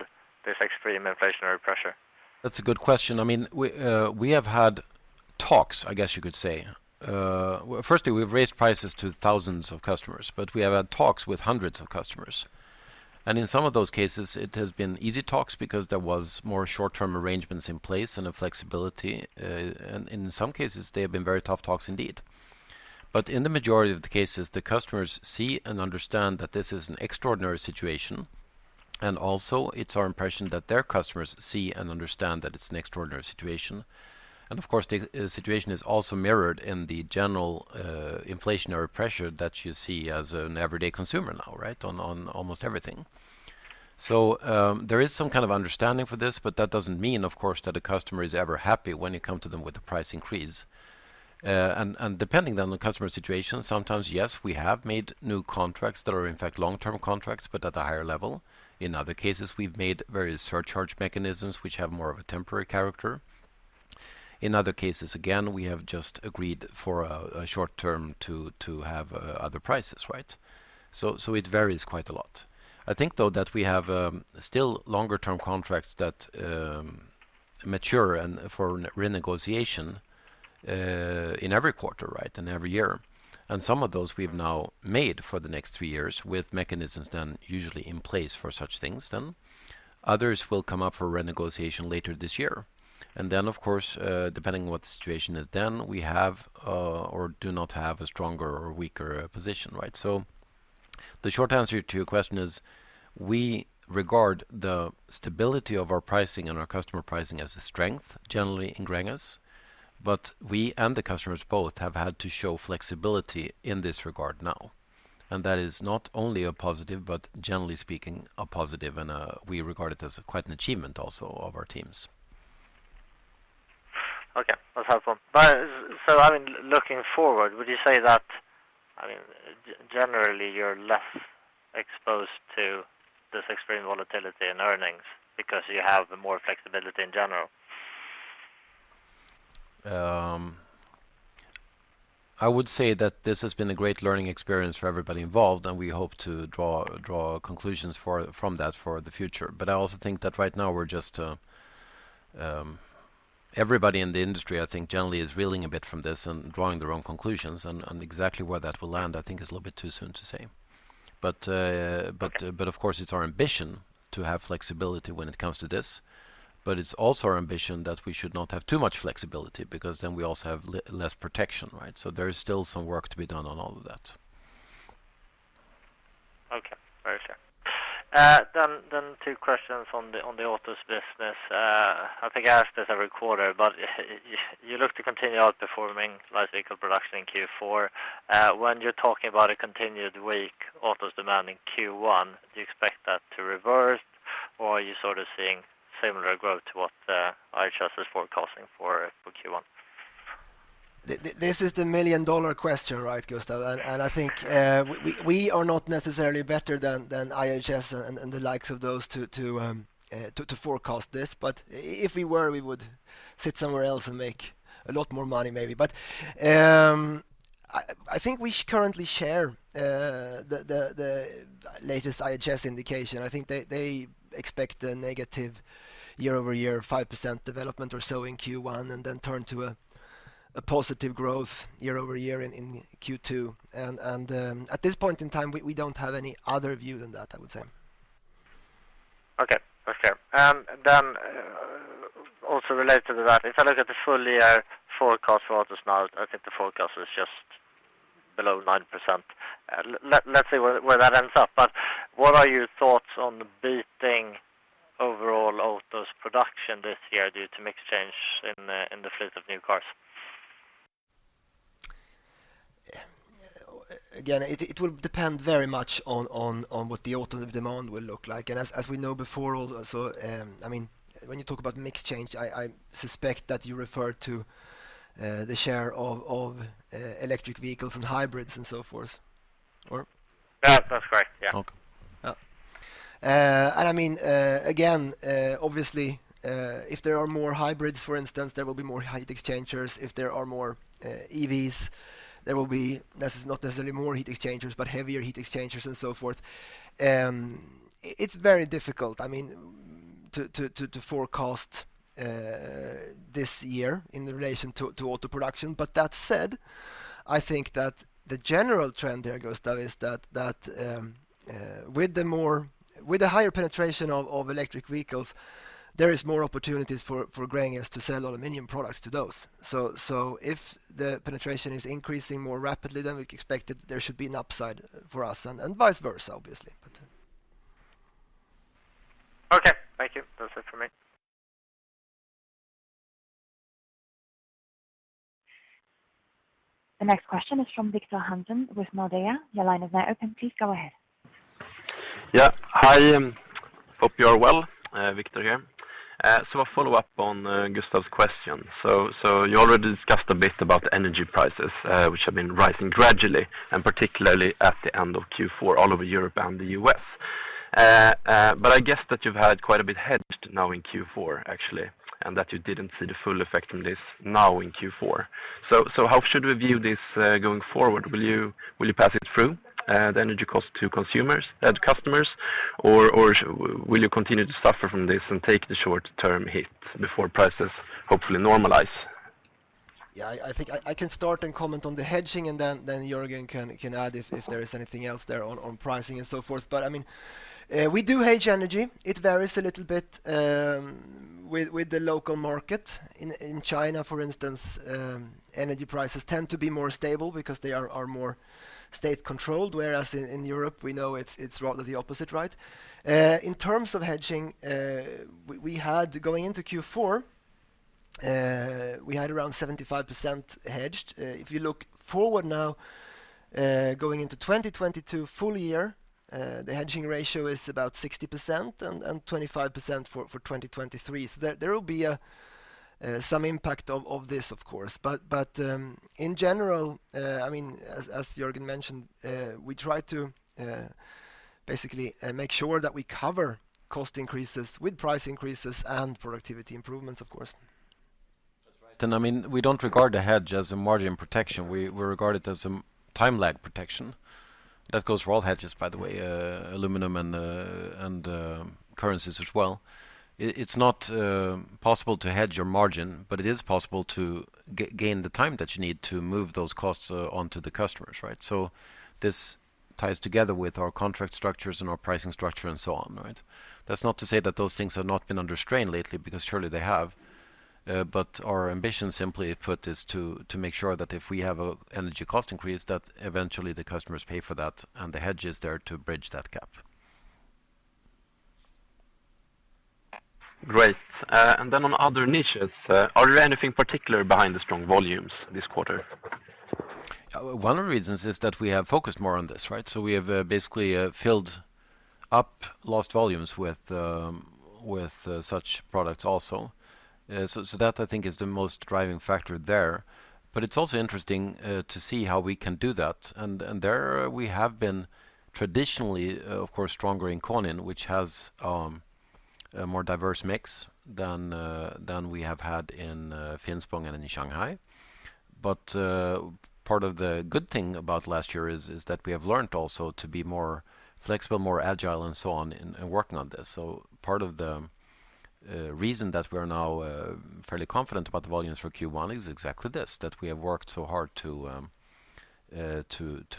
this extreme inflationary pressure? That's a good question. I mean, we have had talks, I guess you could say. Well, firstly, we've raised prices to thousands of customers, but we have had talks with hundreds of customers. In some of those cases it has been easy talks because there was more short-term arrangements in place and a flexibility. In some cases they have been very tough talks indeed. In the majority of the cases, the customers see and understand that this is an extraordinary situation, and also, it's our impression that their customers see and understand that it's an extraordinary situation. Of course, the situation is also mirrored in the general inflationary pressure that you see as an everyday consumer now, right? On almost everything. There is some kind of understanding for this, but that doesn't mean, of course, that a customer is ever happy when you come to them with a price increase. Depending on the customer situation, sometimes, yes, we have made new contracts that are in fact long-term contracts, but at a higher level. In other cases, we've made various surcharge mechanisms which have more of a temporary character. In other cases, again, we have just agreed for a short term to have other prices, right? It varies quite a lot. I think, though, that we have still longer term contracts that mature and for re-negotiation in every quarter, right, in every year. Some of those we've now made for the next three years with mechanisms then usually in place for such things then. Others will come up for renegotiation later this year. Of course, depending on what the situation is then, we have or do not have a stronger or weaker position, right? The short answer to your question is we regard the stability of our pricing and our customer pricing as a strength generally in Gränges, but we and the customers both have had to show flexibility in this regard now, and that is not only a positive, but generally speaking, a positive and we regard it as quite an achievement also of our teams. Okay. That's helpful. I mean, looking forward, would you say that, I mean, generally you're less exposed to this extreme volatility in earnings because you have more flexibility in general? I would say that this has been a great learning experience for everybody involved, and we hope to draw conclusions from that for the future. I also think that right now everybody in the industry, I think, generally is reeling a bit from this and drawing their own conclusions on exactly where that will land, I think, is a little bit too soon to say. Okay. Of course, it's our ambition to have flexibility when it comes to this, but it's also our ambition that we should not have too much flexibility because then we also have less protection, right? There is still some work to be done on all of that. Okay. Very fair. Two questions on the autos business. I think I ask this every quarter, but you look to continue outperforming light vehicle production in Q4. When you're talking about a continued weak autos demand in Q1, do you expect that to reverse or are you sort of seeing similar growth to what IHS is forecasting for Q1? This is the million-dollar question, right, Gustaf? I think we are not necessarily better than IHS and the likes of those to forecast this. If we were, we would sit somewhere else and make a lot more money maybe. I think we currently share the latest IHS indication. I think they expect a year-over-year -5% development or so in Q1, and then turn to a positive growth year-over-year in Q2. At this point in time, we don't have any other view than that, I would say. Okay. That's clear. Also related to that, if I look at the full year forecast for autos now, I think the forecast is just below 9%. Let's see where that ends up. What are your thoughts on beating overall autos production this year due to mix change in the fleet of new cars? Yeah. Again, it will depend very much on what the automotive demand will look like. As we know before also, I mean, when you talk about mix change, I suspect that you refer to the share of electric vehicles and hybrids and so forth. Or? That's correct. Yeah. Okay. Yeah. I mean, again, obviously, if there are more hybrids, for instance, there will be more heat exchangers. If there are more EVs, there will be necessarily not necessarily more heat exchangers, but heavier heat exchangers and so forth. It's very difficult, I mean, to forecast this year in relation to auto production. That said, I think that the general trend there, Gustaf, is that with the higher penetration of electric vehicles, there is more opportunities for Gränges to sell aluminum products to those. If the penetration is increasing more rapidly than we expected, there should be an upside for us and vice versa, obviously. Okay. Thank you. That's it for me. The next question is from Victor Hansen with Nordea. Your line is now open. Please go ahead. Hi, hope you are well. Victor Hansen here. A follow-up on Gustaf's question. You already discussed a bit about energy prices, which have been rising gradually and particularly at the end of Q4 all over Europe and the U.S. I guess that you've had quite a bit hedged now in Q4, actually, and that you didn't see the full effect from this now in Q4. How should we view this going forward? Will you pass it through the energy cost to customers? Or will you continue to suffer from this and take the short-term hit before prices hopefully normalize? Yeah. I think I can start and comment on the hedging and then Jörgen can add if there is anything else there on pricing and so forth. I mean, we do hedge energy. It varies a little bit with the local market. In China, for instance, energy prices tend to be more stable because they are more state controlled, whereas in Europe, we know it's rather the opposite, right? In terms of hedging, going into Q4, we had around 75% hedged. If you look forward now, going into 2022 full year, the hedging ratio is about 60% and 25% for 2023. There will be some impact of this of course. In general, I mean, as Jörgen mentioned, we try to basically make sure that we cover cost increases with price increases and productivity improvements, of course. That's right. I mean, we don't regard the hedge as a margin protection. We regard it as some time lag protection. That goes for all hedges, by the way, aluminum and currencies as well. It's not possible to hedge your margin, but it is possible to gain the time that you need to move those costs onto the customers, right? This ties together with our contract structures and our pricing structure and so on, right? That's not to say that those things have not been under strain lately, because surely they have. Our ambition simply put is to make sure that if we have an energy cost increase, that eventually the customers pay for that, and the hedge is there to bridge that gap. Great. On other niches, are there anything particular behind the strong volumes this quarter? One of the reasons is that we have focused more on this, right? We have basically filled up lost volumes with such products also. That I think is the most driving factor there. It's also interesting to see how we can do that. There we have been traditionally, of course, stronger in Konin, which has a more diverse mix than we have had in Finspång and in Shanghai. Part of the good thing about last year is that we have learned also to be more flexible, more agile and so on in working on this. Part of the reason that we're now fairly confident about the volumes for Q1 is exactly this, that we have worked so hard to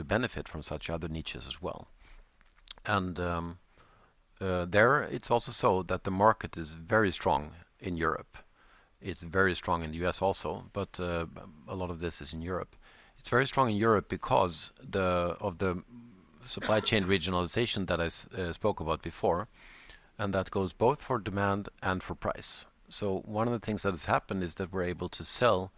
benefit from such other niches as well. There it's also so that the market is very strong in Europe. It's very strong in the U.S. also, but a lot of this is in Europe. It's very strong in Europe because of the supply chain regionalization that I spoke about before, and that goes both for demand and for price. One of the things that has happened is that we're able to sell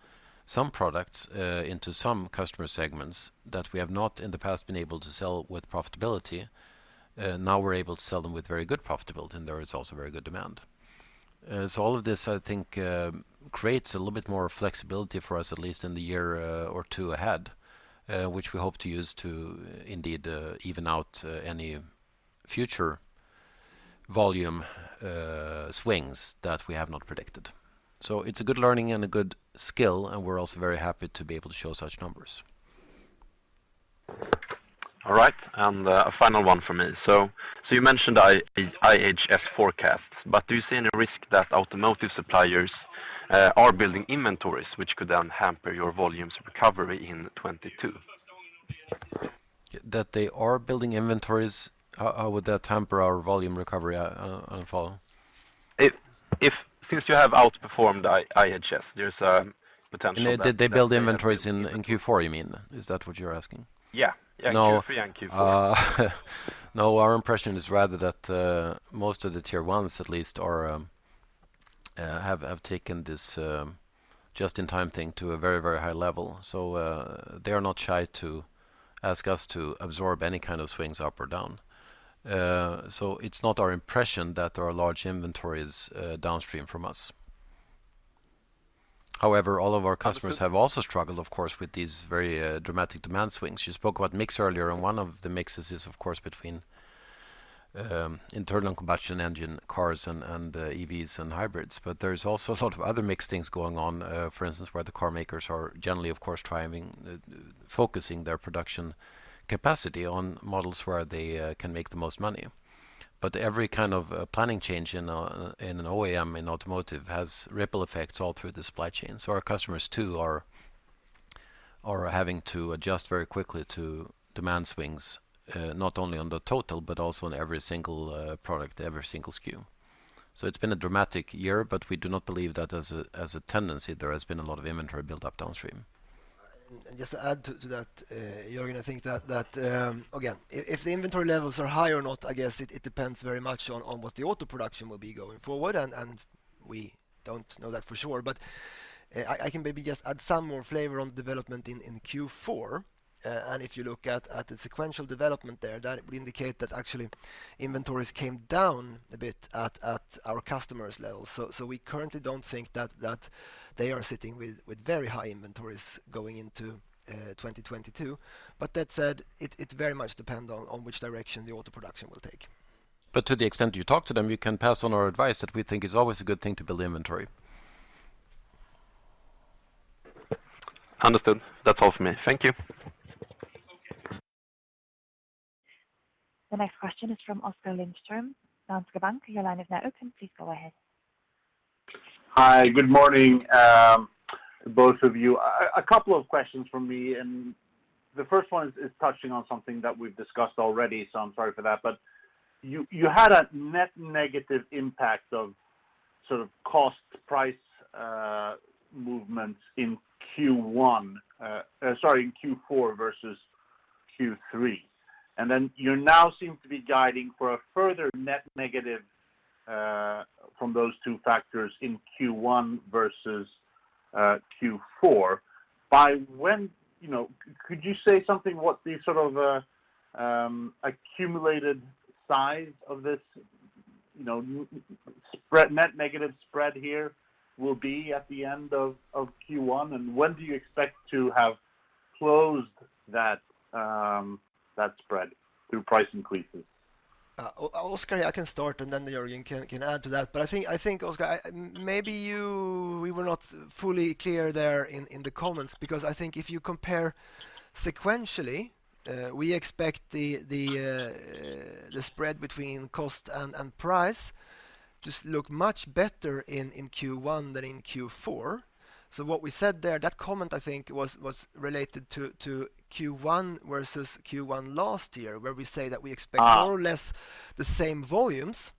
some products into some customer segments that we have not in the past been able to sell with profitability. Now we're able to sell them with very good profitability, and there is also very good demand. As all of this, I think, creates a little bit more flexibility for us, at least in the year, or two ahead, which we hope to use to indeed, even out, any future volume, swings that we have not predicted. It's a good learning and a good skill, and we're also very happy to be able to show such numbers. All right. A final one for me. You mentioned IHS forecasts, but do you see any risk that automotive suppliers are building inventories which could then hamper your volumes recovery in 2022? That they are building inventories? How would that hamper our volume recovery? I don't follow. If since you have outperformed IHS, there's a potential that. Did they build inventories in Q4 you mean? Is that what you're asking? Yeah, yeah. No. In Q3 and Q4. No, our impression is rather that most of the tier ones at least have taken this just in time thing to a very, very high level. They are not shy to ask us to absorb any kind of swings up or down. It's not our impression that there are large inventories downstream from us. However, all of our customers have also struggled, of course, with these very dramatic demand swings. You spoke about mix earlier, and one of the mixes is of course between internal combustion engine cars and EVs and hybrids. There's also a lot of other mixed things going on, for instance, where the car makers are generally, of course, focusing their production capacity on models where they can make the most money. Every kind of planning change in an OEM in automotive has ripple effects all through the supply chain. Our customers too are having to adjust very quickly to demand swings, not only on the total, but also on every single product, every single SKU. It's been a dramatic year, but we do not believe that as a tendency there has been a lot of inventory built up downstream. Just to add to that, Jörgen, I think that again, if the inventory levels are high or not, I guess it depends very much on what the auto production will be going forward, and we don't know that for sure. But I can maybe just add some more flavor on development in Q4. If you look at the sequential development there, that would indicate that actually inventories came down a bit at our customers' level. So, we currently don't think that they are sitting with very high inventories going into 2022. But that said, it very much depends on which direction the auto production will take. To the extent you talk to them, you can pass on our advice that we think it's always a good thing to build inventory. Understood. That's all for me. Thank you. The next question is from Oskar Lindström, Danske Bank. Your line is now open. Please go ahead. Hi. Good morning, both of you. A couple of questions from me, and the first one is touching on something that we've discussed already, so I'm sorry for that. You had a net negative impact of sort of cost price movements in Q4 versus Q3. You now seem to be guiding for a further net negative from those two factors in Q1 versus Q4. You know, could you say something about what the sort of accumulated size of this, you know, spread, net negative spread here will be at the end of Q1? When do you expect to have closed that spread through price increases? Oskar, I can start, and then Jörgen can add to that. I think, Oskar, we were not fully clear there in the comments, because I think if you compare sequentially, we expect the spread between cost and price to look much better in Q1 than in Q4. What we said there, that comment I think was related to Q1 versus Q1 last year, where we say that we expect more or less the same volumes.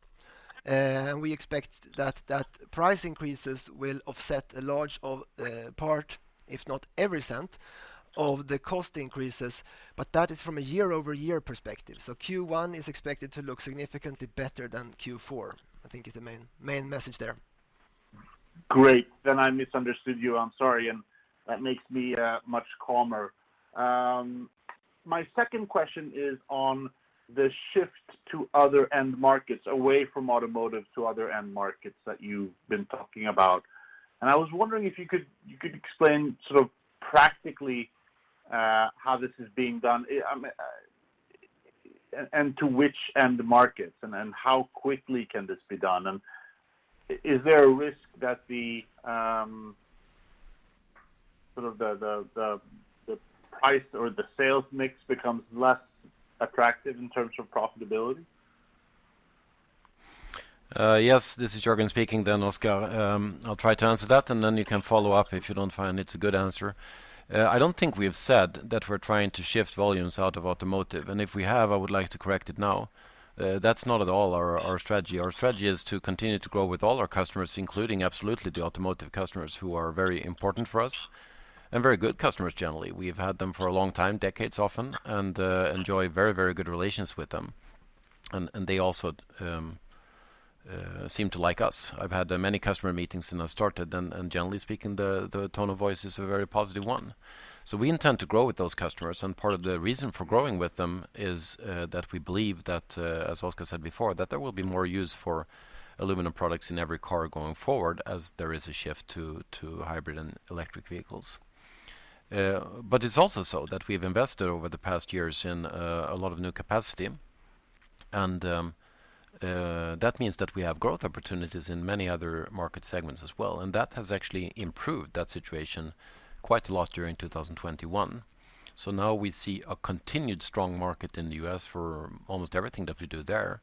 We expect that price increases will offset a large part, if not every cent, of the cost increases. That is from a year-over-year perspective. Q1 is expected to look significantly better than Q4. I think is the main message there. Great. I misunderstood you. I'm sorry, and that makes me much calmer. My second question is on the shift to other end markets, away from automotive to other end markets that you've been talking about. I was wondering if you could explain sort of practically how this is being done. I mean and to which end markets and how quickly can this be done? Is there a risk that the sort of price or the sales mix becomes less attractive in terms of profitability? Yes, this is Jörgen speaking then, Oskar. I'll try to answer that, and then you can follow up if you don't find it's a good answer. I don't think we've said that we're trying to shift volumes out of automotive, and if we have, I would like to correct it now. That's not at all our strategy. Our strategy is to continue to grow with all our customers, including absolutely the automotive customers who are very important for us and very good customers generally. We've had them for a long time, decades often, and enjoy very, very good relations with them. They also seem to like us. I've had many customer meetings since I started, and generally speaking, the tone of voice is a very positive one. We intend to grow with those customers, and part of the reason for growing with them is that we believe that, as Oskar said before, that there will be more use for aluminum products in every car going forward as there is a shift to hybrid and electric vehicles. It's also so that we've invested over the past years in a lot of new capacity and that means that we have growth opportunities in many other market segments as well. That has actually improved that situation quite a lot during 2021. Now we see a continued strong market in the U.S. for almost everything that we do there,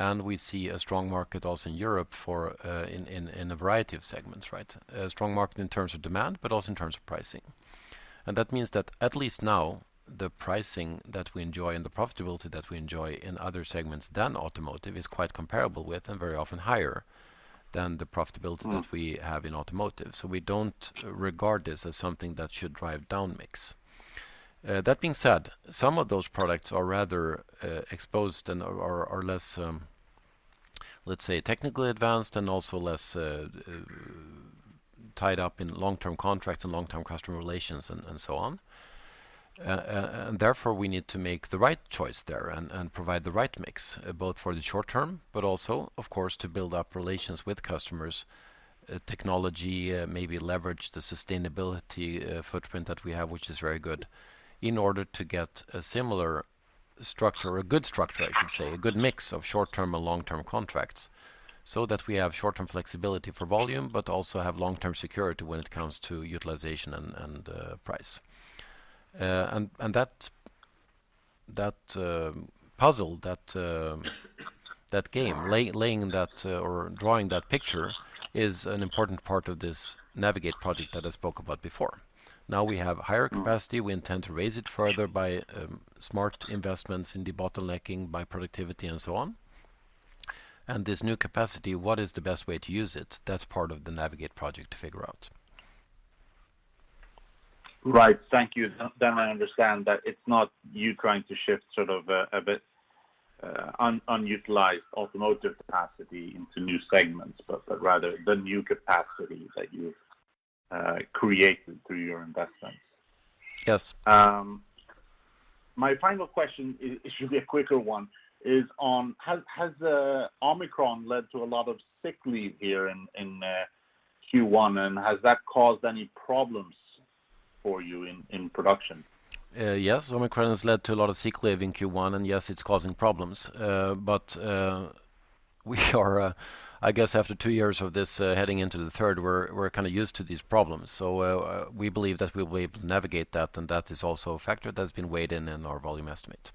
and we see a strong market also in Europe for a variety of segments, right? A strong market in terms of demand, but also in terms of pricing. That means that at least now, the pricing that we enjoy and the profitability that we enjoy in other segments than automotive is quite comparable with and very often higher than the profitability. Mm. That we have in automotive. We don't regard this as something that should drive down mix. That being said, some of those products are rather, exposed and are less, let's say, technically advanced and also less tied up in long-term contracts and long-term customer relations and so on. And therefore, we need to make the right choice there and provide the right mix, both for the short term, but also, of course, to build up relations with customers, technology, maybe leverage the sustainability footprint that we have, which is very good, in order to get a similar structure, a good structure, I should say, a good mix of short-term and long-term contracts, so that we have short-term flexibility for volume, but also have long-term security when it comes to utilization and price. That puzzle, that game, laying that or drawing that picture is an important part of this Navigate project that I spoke about before. Now we have higher capacity. We intend to raise it further by smart investments in debottlenecking, by productivity, and so on. This new capacity, what is the best way to use it? That's part of the Navigate project to figure out. Right. Thank you. I understand that it's not you trying to shift sort of a bit unutilized automotive capacity into new segments but rather the new capacity that you created through your investments. Yes. My final question, it should be a quicker one, is on has Omicron led to a lot of sick leave here in Q1, and has that caused any problems for you in production? Yes. Omicron has led to a lot of sick leave in Q1, and yes, it's causing problems. We are, I guess after two years of this, heading into the third, we're kinda used to these problems. We believe that we'll be able to navigate that, and that is also a factor that's been weighed in our volume estimate.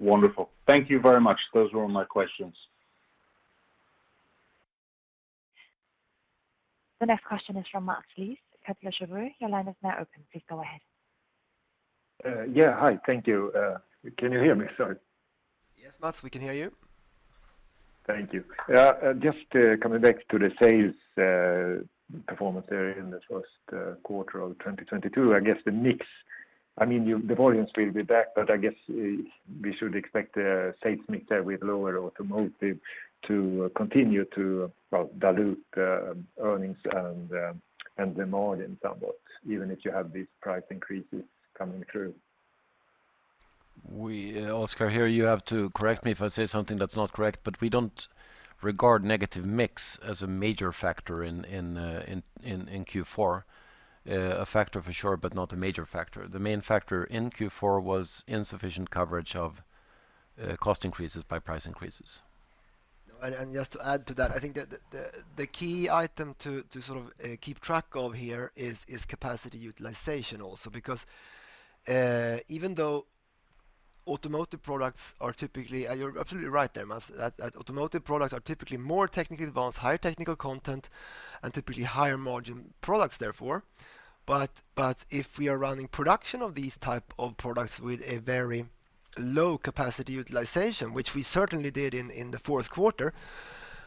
Wonderful. Thank you very much. Those were all my questions. The next question is from Mats Liss, Kepler Cheuvreux. Your line is now open. Please go ahead. Yeah. Hi. Thank you. Can you hear me? Sorry. Yes, Mats, we can hear you. Thank you. Just coming back to the sales performance area in the first quarter of 2022, I guess the mix, I mean, the volumes will be back, but I guess we should expect a sales mix there with lower automotive to continue to well dilute earnings and the margin somewhat, even if you have these price increases coming through. We, Oskar, here you have to correct me if I say something that's not correct, but we don't regard negative mix as a major factor in Q4. A factor for sure, but not a major factor. The main factor in Q4 was insufficient coverage of cost increases by price increases. No, just to add to that, I think the key item to sort of keep track of here is capacity utilization also. Because even though automotive products are typically, you're absolutely right there, Mats, that automotive products are typically more technically advanced, higher technical content, and typically higher margin products therefore. But if we are running production of these type of products with a very low-capacity utilization, which we certainly did in the fourth quarter,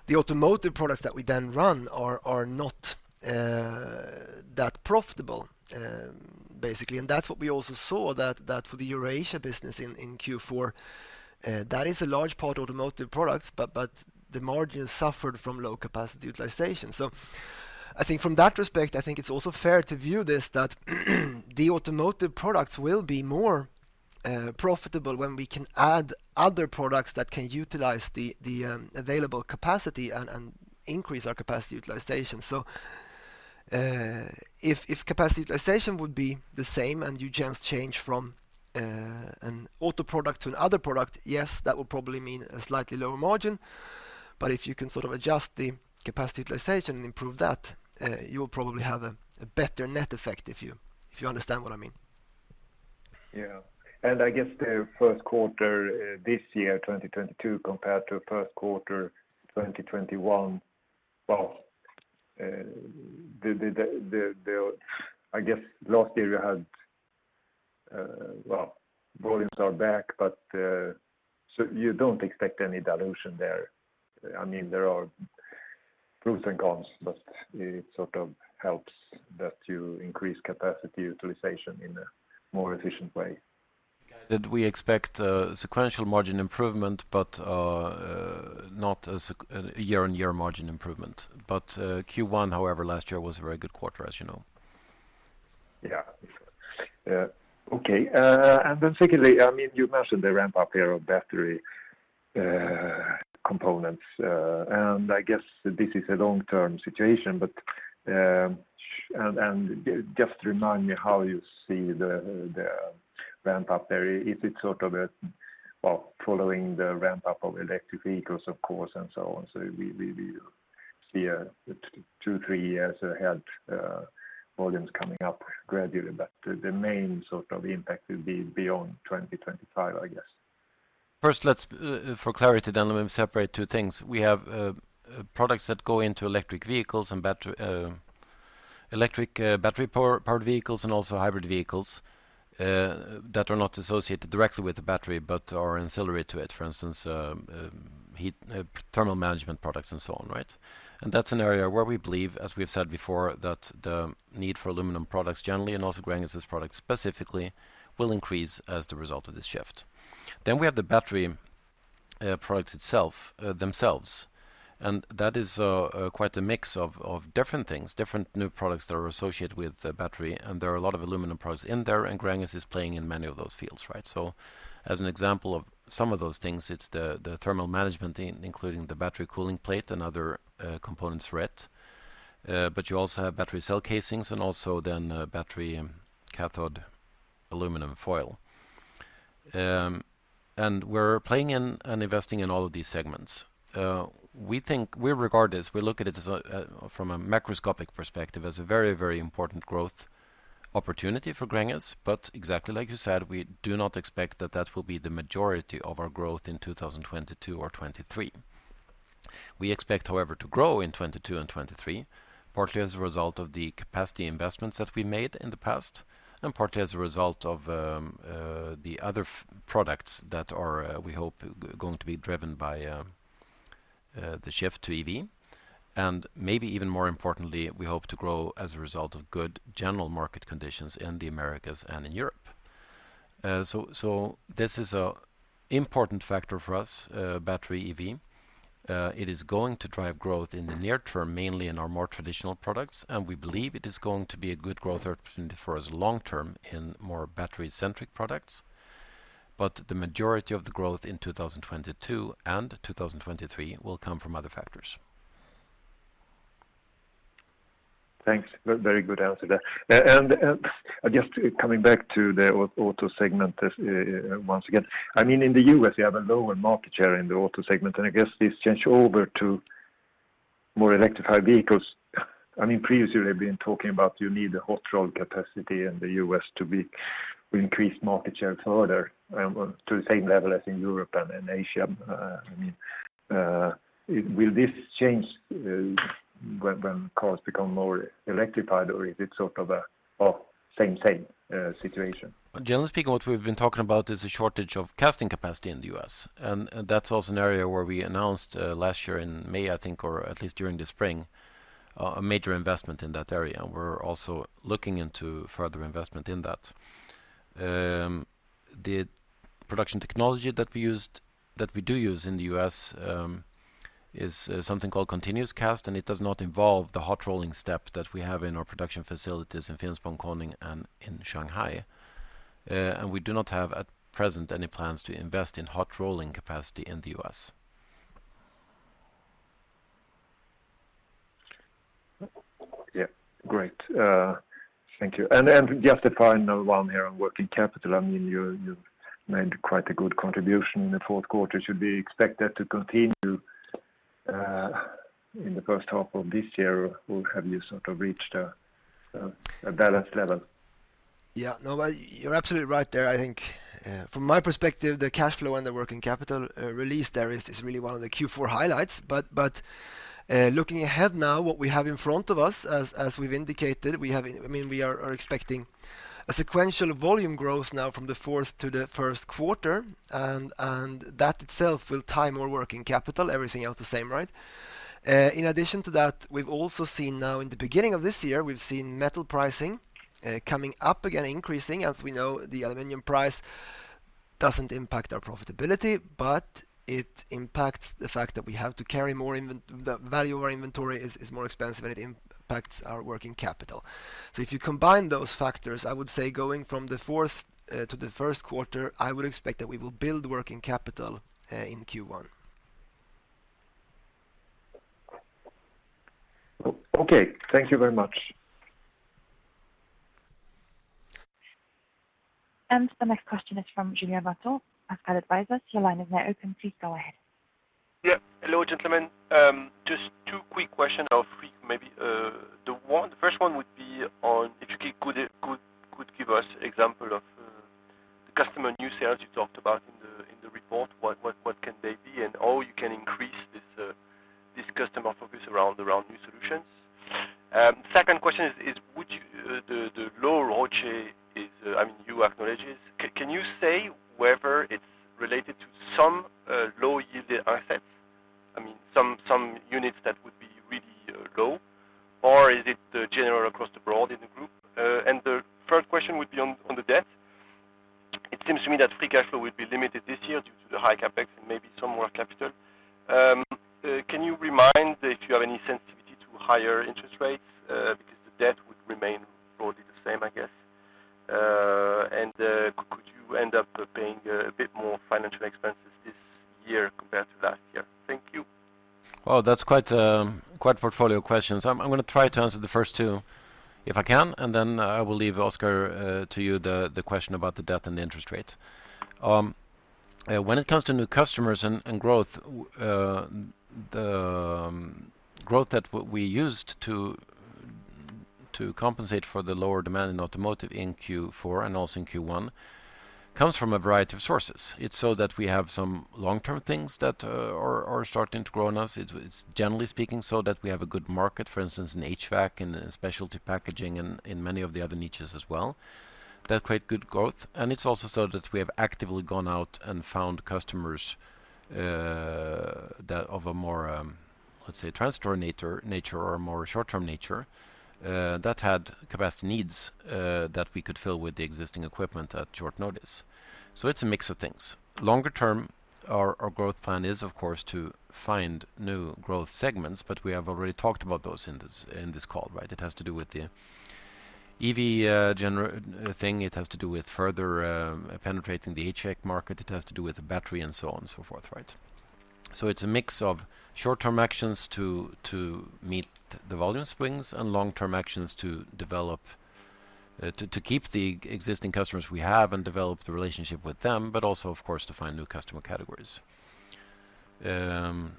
the automotive products that we then run are not that profitable, basically. That's what we also saw that for the Eurasia business in Q4, that is a large part automotive products, but the margin suffered from low-capacity utilization. I think from that respect, I think it's also fair to view this that the automotive products will be more profitable when we can add other products that can utilize the available capacity and increase our capacity utilization. If capacity utilization would be the same and you just change from an auto product to another product, yes, that will probably mean a slightly lower margin. If you can sort of adjust the capacity utilization and improve that, you'll probably have a better net effect if you understand what I mean. I guess the first quarter this year, 2022, compared to first quarter 2021. I guess last year you had well, volumes are back, but so you don't expect any dilution there. I mean, there are pros and cons, but it sort of helps that you increase capacity utilization in a more efficient way. That we expect sequential margin improvement, but not a year-on-year margin improvement. Q1, however, last year was a very good quarter, as you know. Yeah. Okay. Then secondly, I mean, you mentioned the ramp up here of battery components. I guess this is a long-term situation, but just remind me how you see the ramp up there. Is it sort of a, well, following the ramp up of electric vehicles, of course, and so on. We see two, three years ahead, volumes coming up gradually, but the main sort of impact will be beyond 2025, I guess. First, let's for clarity, let me separate two things. We have products that go into electric vehicles and battery-powered vehicles and also hybrid vehicles that are not associated directly with the battery, but are ancillary to it. For instance, heat thermal management products and so on, right? That's an area where we believe, as we have said before, that the need for aluminum products generally, and also Gränges' products specifically, will increase as the result of this shift. We have the battery products themselves, and that is quite a mix of different things, different new products that are associated with the battery, and there are a lot of aluminum products in there, and Gränges is playing in many of those fields, right? As an example of some of those things, it's the thermal management including the battery cooling plate and other components for it. But you also have battery cell casings and also then battery cathode aluminum foil. And we're playing in and investing in all of these segments. We think, we regard this, we look at it as a from a macroscopic perspective as a very, very important growth opportunity for Gränges. But exactly like you said, we do not expect that will be the majority of our growth in 2022 or 2023. We expect, however, to grow in 2022 and 2023, partly as a result of the capacity investments that we made in the past, and partly as a result of the other products that we hope going to be driven by the shift to EV. Maybe even more importantly, we hope to grow as a result of good general market conditions in the Americas and in Europe. This is an important factor for us, battery EV. It is going to drive growth in the near term, mainly in our more traditional products, and we believe it is going to be a good growth opportunity for us long term in more battery-centric products. The majority of the growth in 2022 and 2023 will come from other factors. Thanks. Very good answer there. Just coming back to the auto segment once again. I mean, in the U.S., you have a lower market share in the auto segment, and I guess this change over to more electrified vehicles. I mean, previously, we've been talking about you need a hot roll capacity in the U.S. to increase market share further and to the same level as in Europe and in Asia. I mean, will this change when cars become more electrified or is it sort of a well, same situation? Generally speaking, what we've been talking about is a shortage of casting capacity in the U.S., and that's also an area where we announced last year in May, I think, or at least during the spring, a major investment in that area. We're also looking into further investment in that. The production technology that we used, that we do use in the U.S., is something called continuous cast, and it does not involve the hot rolling step that we have in our production facilities in Finspång, Konin, and in Shanghai. We do not have at present any plans to invest in hot rolling capacity in the U.S. Yeah, great. Thank you. Just a final one here on working capital. I mean, you've made quite a good contribution in the fourth quarter. Should we expect that to continue in the first half of this year, or have you sort of reached a balanced level? Yeah. No, well, you're absolutely right there. I think, from my perspective, the cash flow and the working capital release there is really one of the Q4 highlights. Looking ahead now, what we have in front of us, as we've indicated, I mean, we are expecting a sequential volume growth now from the fourth to the first quarter, and that itself will tie more working capital, everything else the same, right? In addition to that, we've also seen now in the beginning of this year metal pricing coming up again, increasing. As we know, the aluminum price doesn't impact our profitability, but it impacts the fact that we have to carry more, the value of our inventory is more expensive, and it impacts our working capital. If you combine those factors, I would say going from the fourth to the first quarter, I would expect that we will build working capital in Q1. Okay. Thank you very much. The next question is from [Julien Vatal of Cal Advisors]. Your line is now open. Please go ahead. Hello, gentlemen. Just two quick questions or three maybe. The first one would be on if you could give us example of the customer new sales you talked about in the report. What can they be and how you can increase this customer focus around new solutions? Second question is would you the low ROCE is, I mean, you acknowledge it. Can you say whether it's related to some low yield assets? I mean, some units that would be really low, or is it general across the board in the group? The third question would be on the debt. It seems to me that free cash flow will be limited this year due to the high CapEx and maybe some more capital. Can you remind if you have any sensitivity to higher interest rates, because the debt would remain broadly the same, I guess. Could you end up paying a bit more financial expenses this year compared to last year? Thank you. Well, that's quite portfolio questions. I'm gonna try to answer the first two if I can, and then I will leave Oskar to you the question about the debt and the interest rate. When it comes to new customers and growth, the growth that we used to compensate for the lower demand in automotive in Q4 and also in Q1 comes from a variety of sources. It's so that we have some long-term things that are starting to grow on us. It's generally speaking so that we have a good market, for instance, in HVAC, in specialty packaging, in many of the other niches as well that create good growth. It's also so that we have actively gone out and found customers that of a more, let's say, transitory nature or more short-term nature, that had capacity needs, that we could fill with the existing equipment at short notice. It's a mix of things. Longer term, our growth plan is, of course, to find new growth segments, but we have already talked about those in this call, right? It has to do with the EV thing. It has to do with further penetrating the HVAC market. It has to do with battery and so on and so forth, right? It's a mix of short-term actions to meet the volume swings and long-term actions to develop to keep the existing customers we have and develop the relationship with them, but also, of course, to find new customer categories. Second,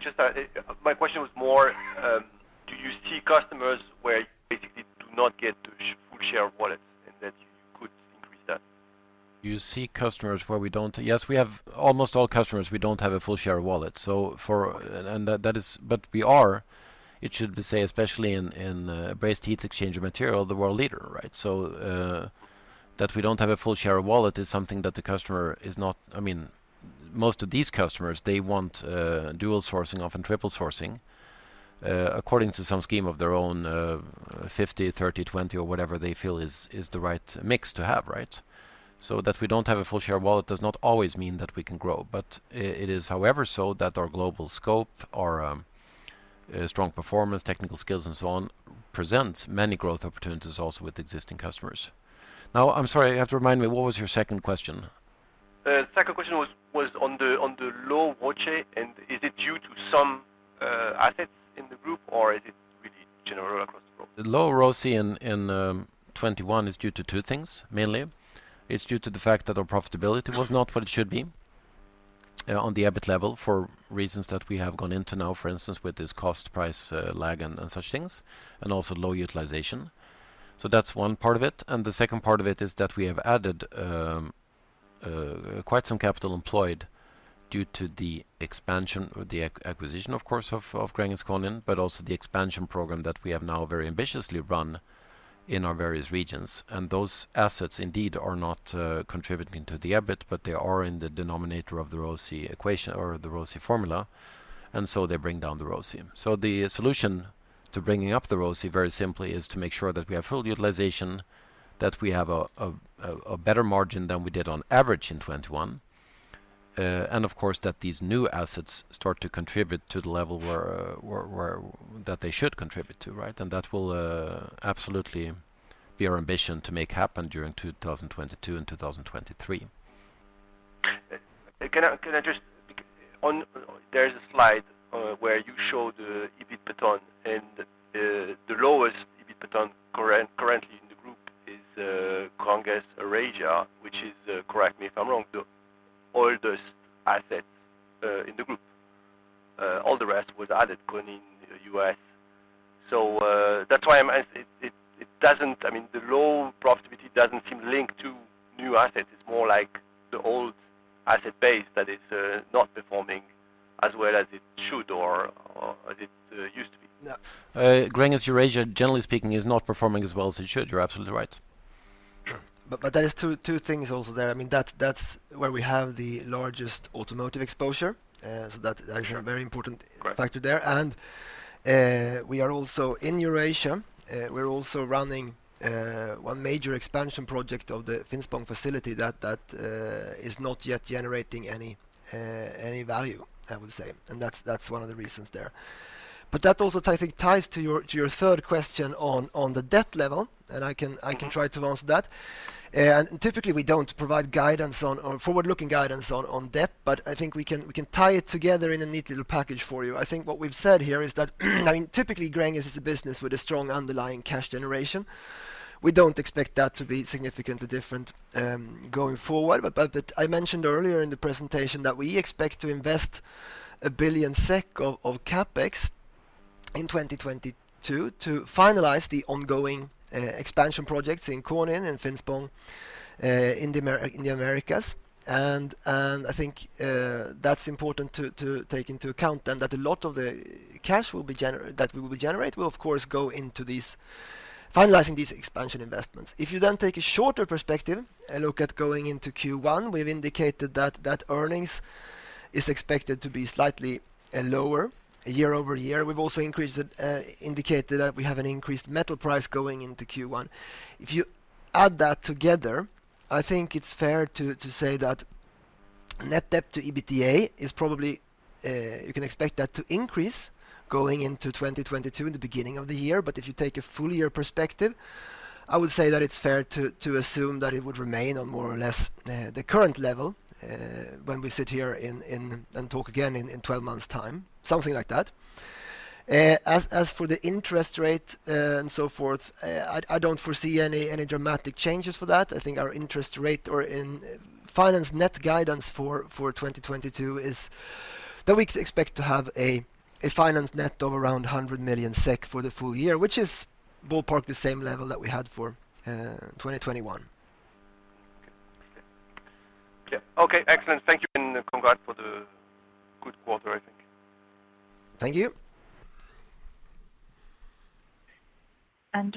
just, my question was more, do you see customers where you basically do not get full share of wallet and that you could increase that? Do you see customers where we don't have a full share of wallet? Yes, we have almost all customers. We don't have a full share of wallet. We are, it should be said, especially in brazed heat exchanger material, the world leader, right? That we don't have a full share of wallet is something that the customer is not, I mean, most of these customers they want dual sourcing, often triple sourcing, according to some scheme of their own, 50, 30, 20 or whatever they feel is the right mix to have, right? That we don't have a full share of wallet does not always mean that we can grow. It is, however, so that our global scope, our strong performance, technical skills, and so on, presents many growth opportunities also with existing customers. Now, I'm sorry, you have to remind me, what was your second question? Second question was on the low ROCE, and is it due to some assets in the group, or is it really general across the group? The low ROCE in 2021 is due to two things, mainly. It's due to the fact that our profitability was not what it should be on the EBIT level for reasons that we have gone into now, for instance, with this cost price lag and such things, and also low utilization. That's one part of it, and the second part of it is that we have added quite some capital employed due to the expansion or the acquisition, of course, of Gränges Konin, but also the expansion program that we have now very ambitiously run in our various regions. Those assets indeed are not contributing to the EBIT, but they are in the denominator of the ROCE equation or the ROCE formula, and so they bring down the ROCE. The solution to bringing up the ROCE very simply is to make sure that we have full utilization, that we have a better margin than we did on average in 2021, and of course, that these new assets start to contribute to the level where that they should contribute to, right? That will absolutely be our ambition to make happen during 2022 and 2023. Can I just. Oh, there's a slide where you show the EBIT ton, and the lowest EBIT ton currently in the group is Gränges Eurasia, which is, correct me if I'm wrong, the oldest asset in the group. All the rest was added Konin, U.S. That's why I'm asking. I mean, the low profitability doesn't seem linked to new assets. It's more like the old asset base that is not performing as well as it should or as it used to be. Yeah. Gränges Eurasia, generally speaking, is not performing as well as it should. You're absolutely right. There is two things also there. I mean, that's where we have the largest automotive exposure. Sure. Is a very important factor there. Great. We are also in Eurasia, we're also running one major expansion project of the Finspång facility that is not yet generating any value, I would say. That's one of the reasons there. That also ties to your third question on the debt level, and I can try to answer that. Typically, we don't provide guidance on or forward-looking guidance on debt, but I think we can tie it together in a neat little package for you. I think what we've said here is that, I mean, typically, Gränges is a business with a strong underlying cash generation. We don't expect that to be significantly different, going forward. I mentioned earlier in the presentation that we expect to invest 1 billion SEK of CapEx in 2022 to finalize the ongoing expansion projects in Konin and Finspång, in the Americas. I think that's important to take into account and that a lot of the cash that we will generate will of course go into finalizing these expansion investments. If you then take a shorter perspective and look at going into Q1, we've indicated that earnings is expected to be slightly lower year-over-year. We've also indicated that we have an increased metal price going into Q1. If you add that together, I think it's fair to say that net debt to EBITDA is probably, you can expect that to increase going into 2022 in the beginning of the year. If you take a full year perspective, I would say that it's fair to assume that it would remain on more or less the current level when we sit here and talk again in 12 months time, something like that. As for the interest rate and so forth, I don't foresee any dramatic changes for that. I think our financial net guidance for 2022 is that we expect to have a financial net of around 100 million SEK for the full year, which is ballpark the same level that we had for 2021. Yeah. Okay. Excellent. Thank you and congrats for the good quarter, I think. Thank you.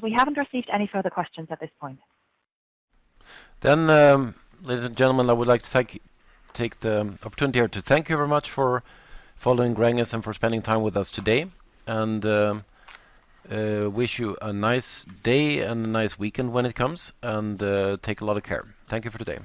We haven't received any further questions at this point. Ladies and gentlemen, I would like to take the opportunity here to thank you very much for following Gränges and for spending time with us today, and wish you a nice day and a nice weekend when it comes, and take a lot of care. Thank you for today.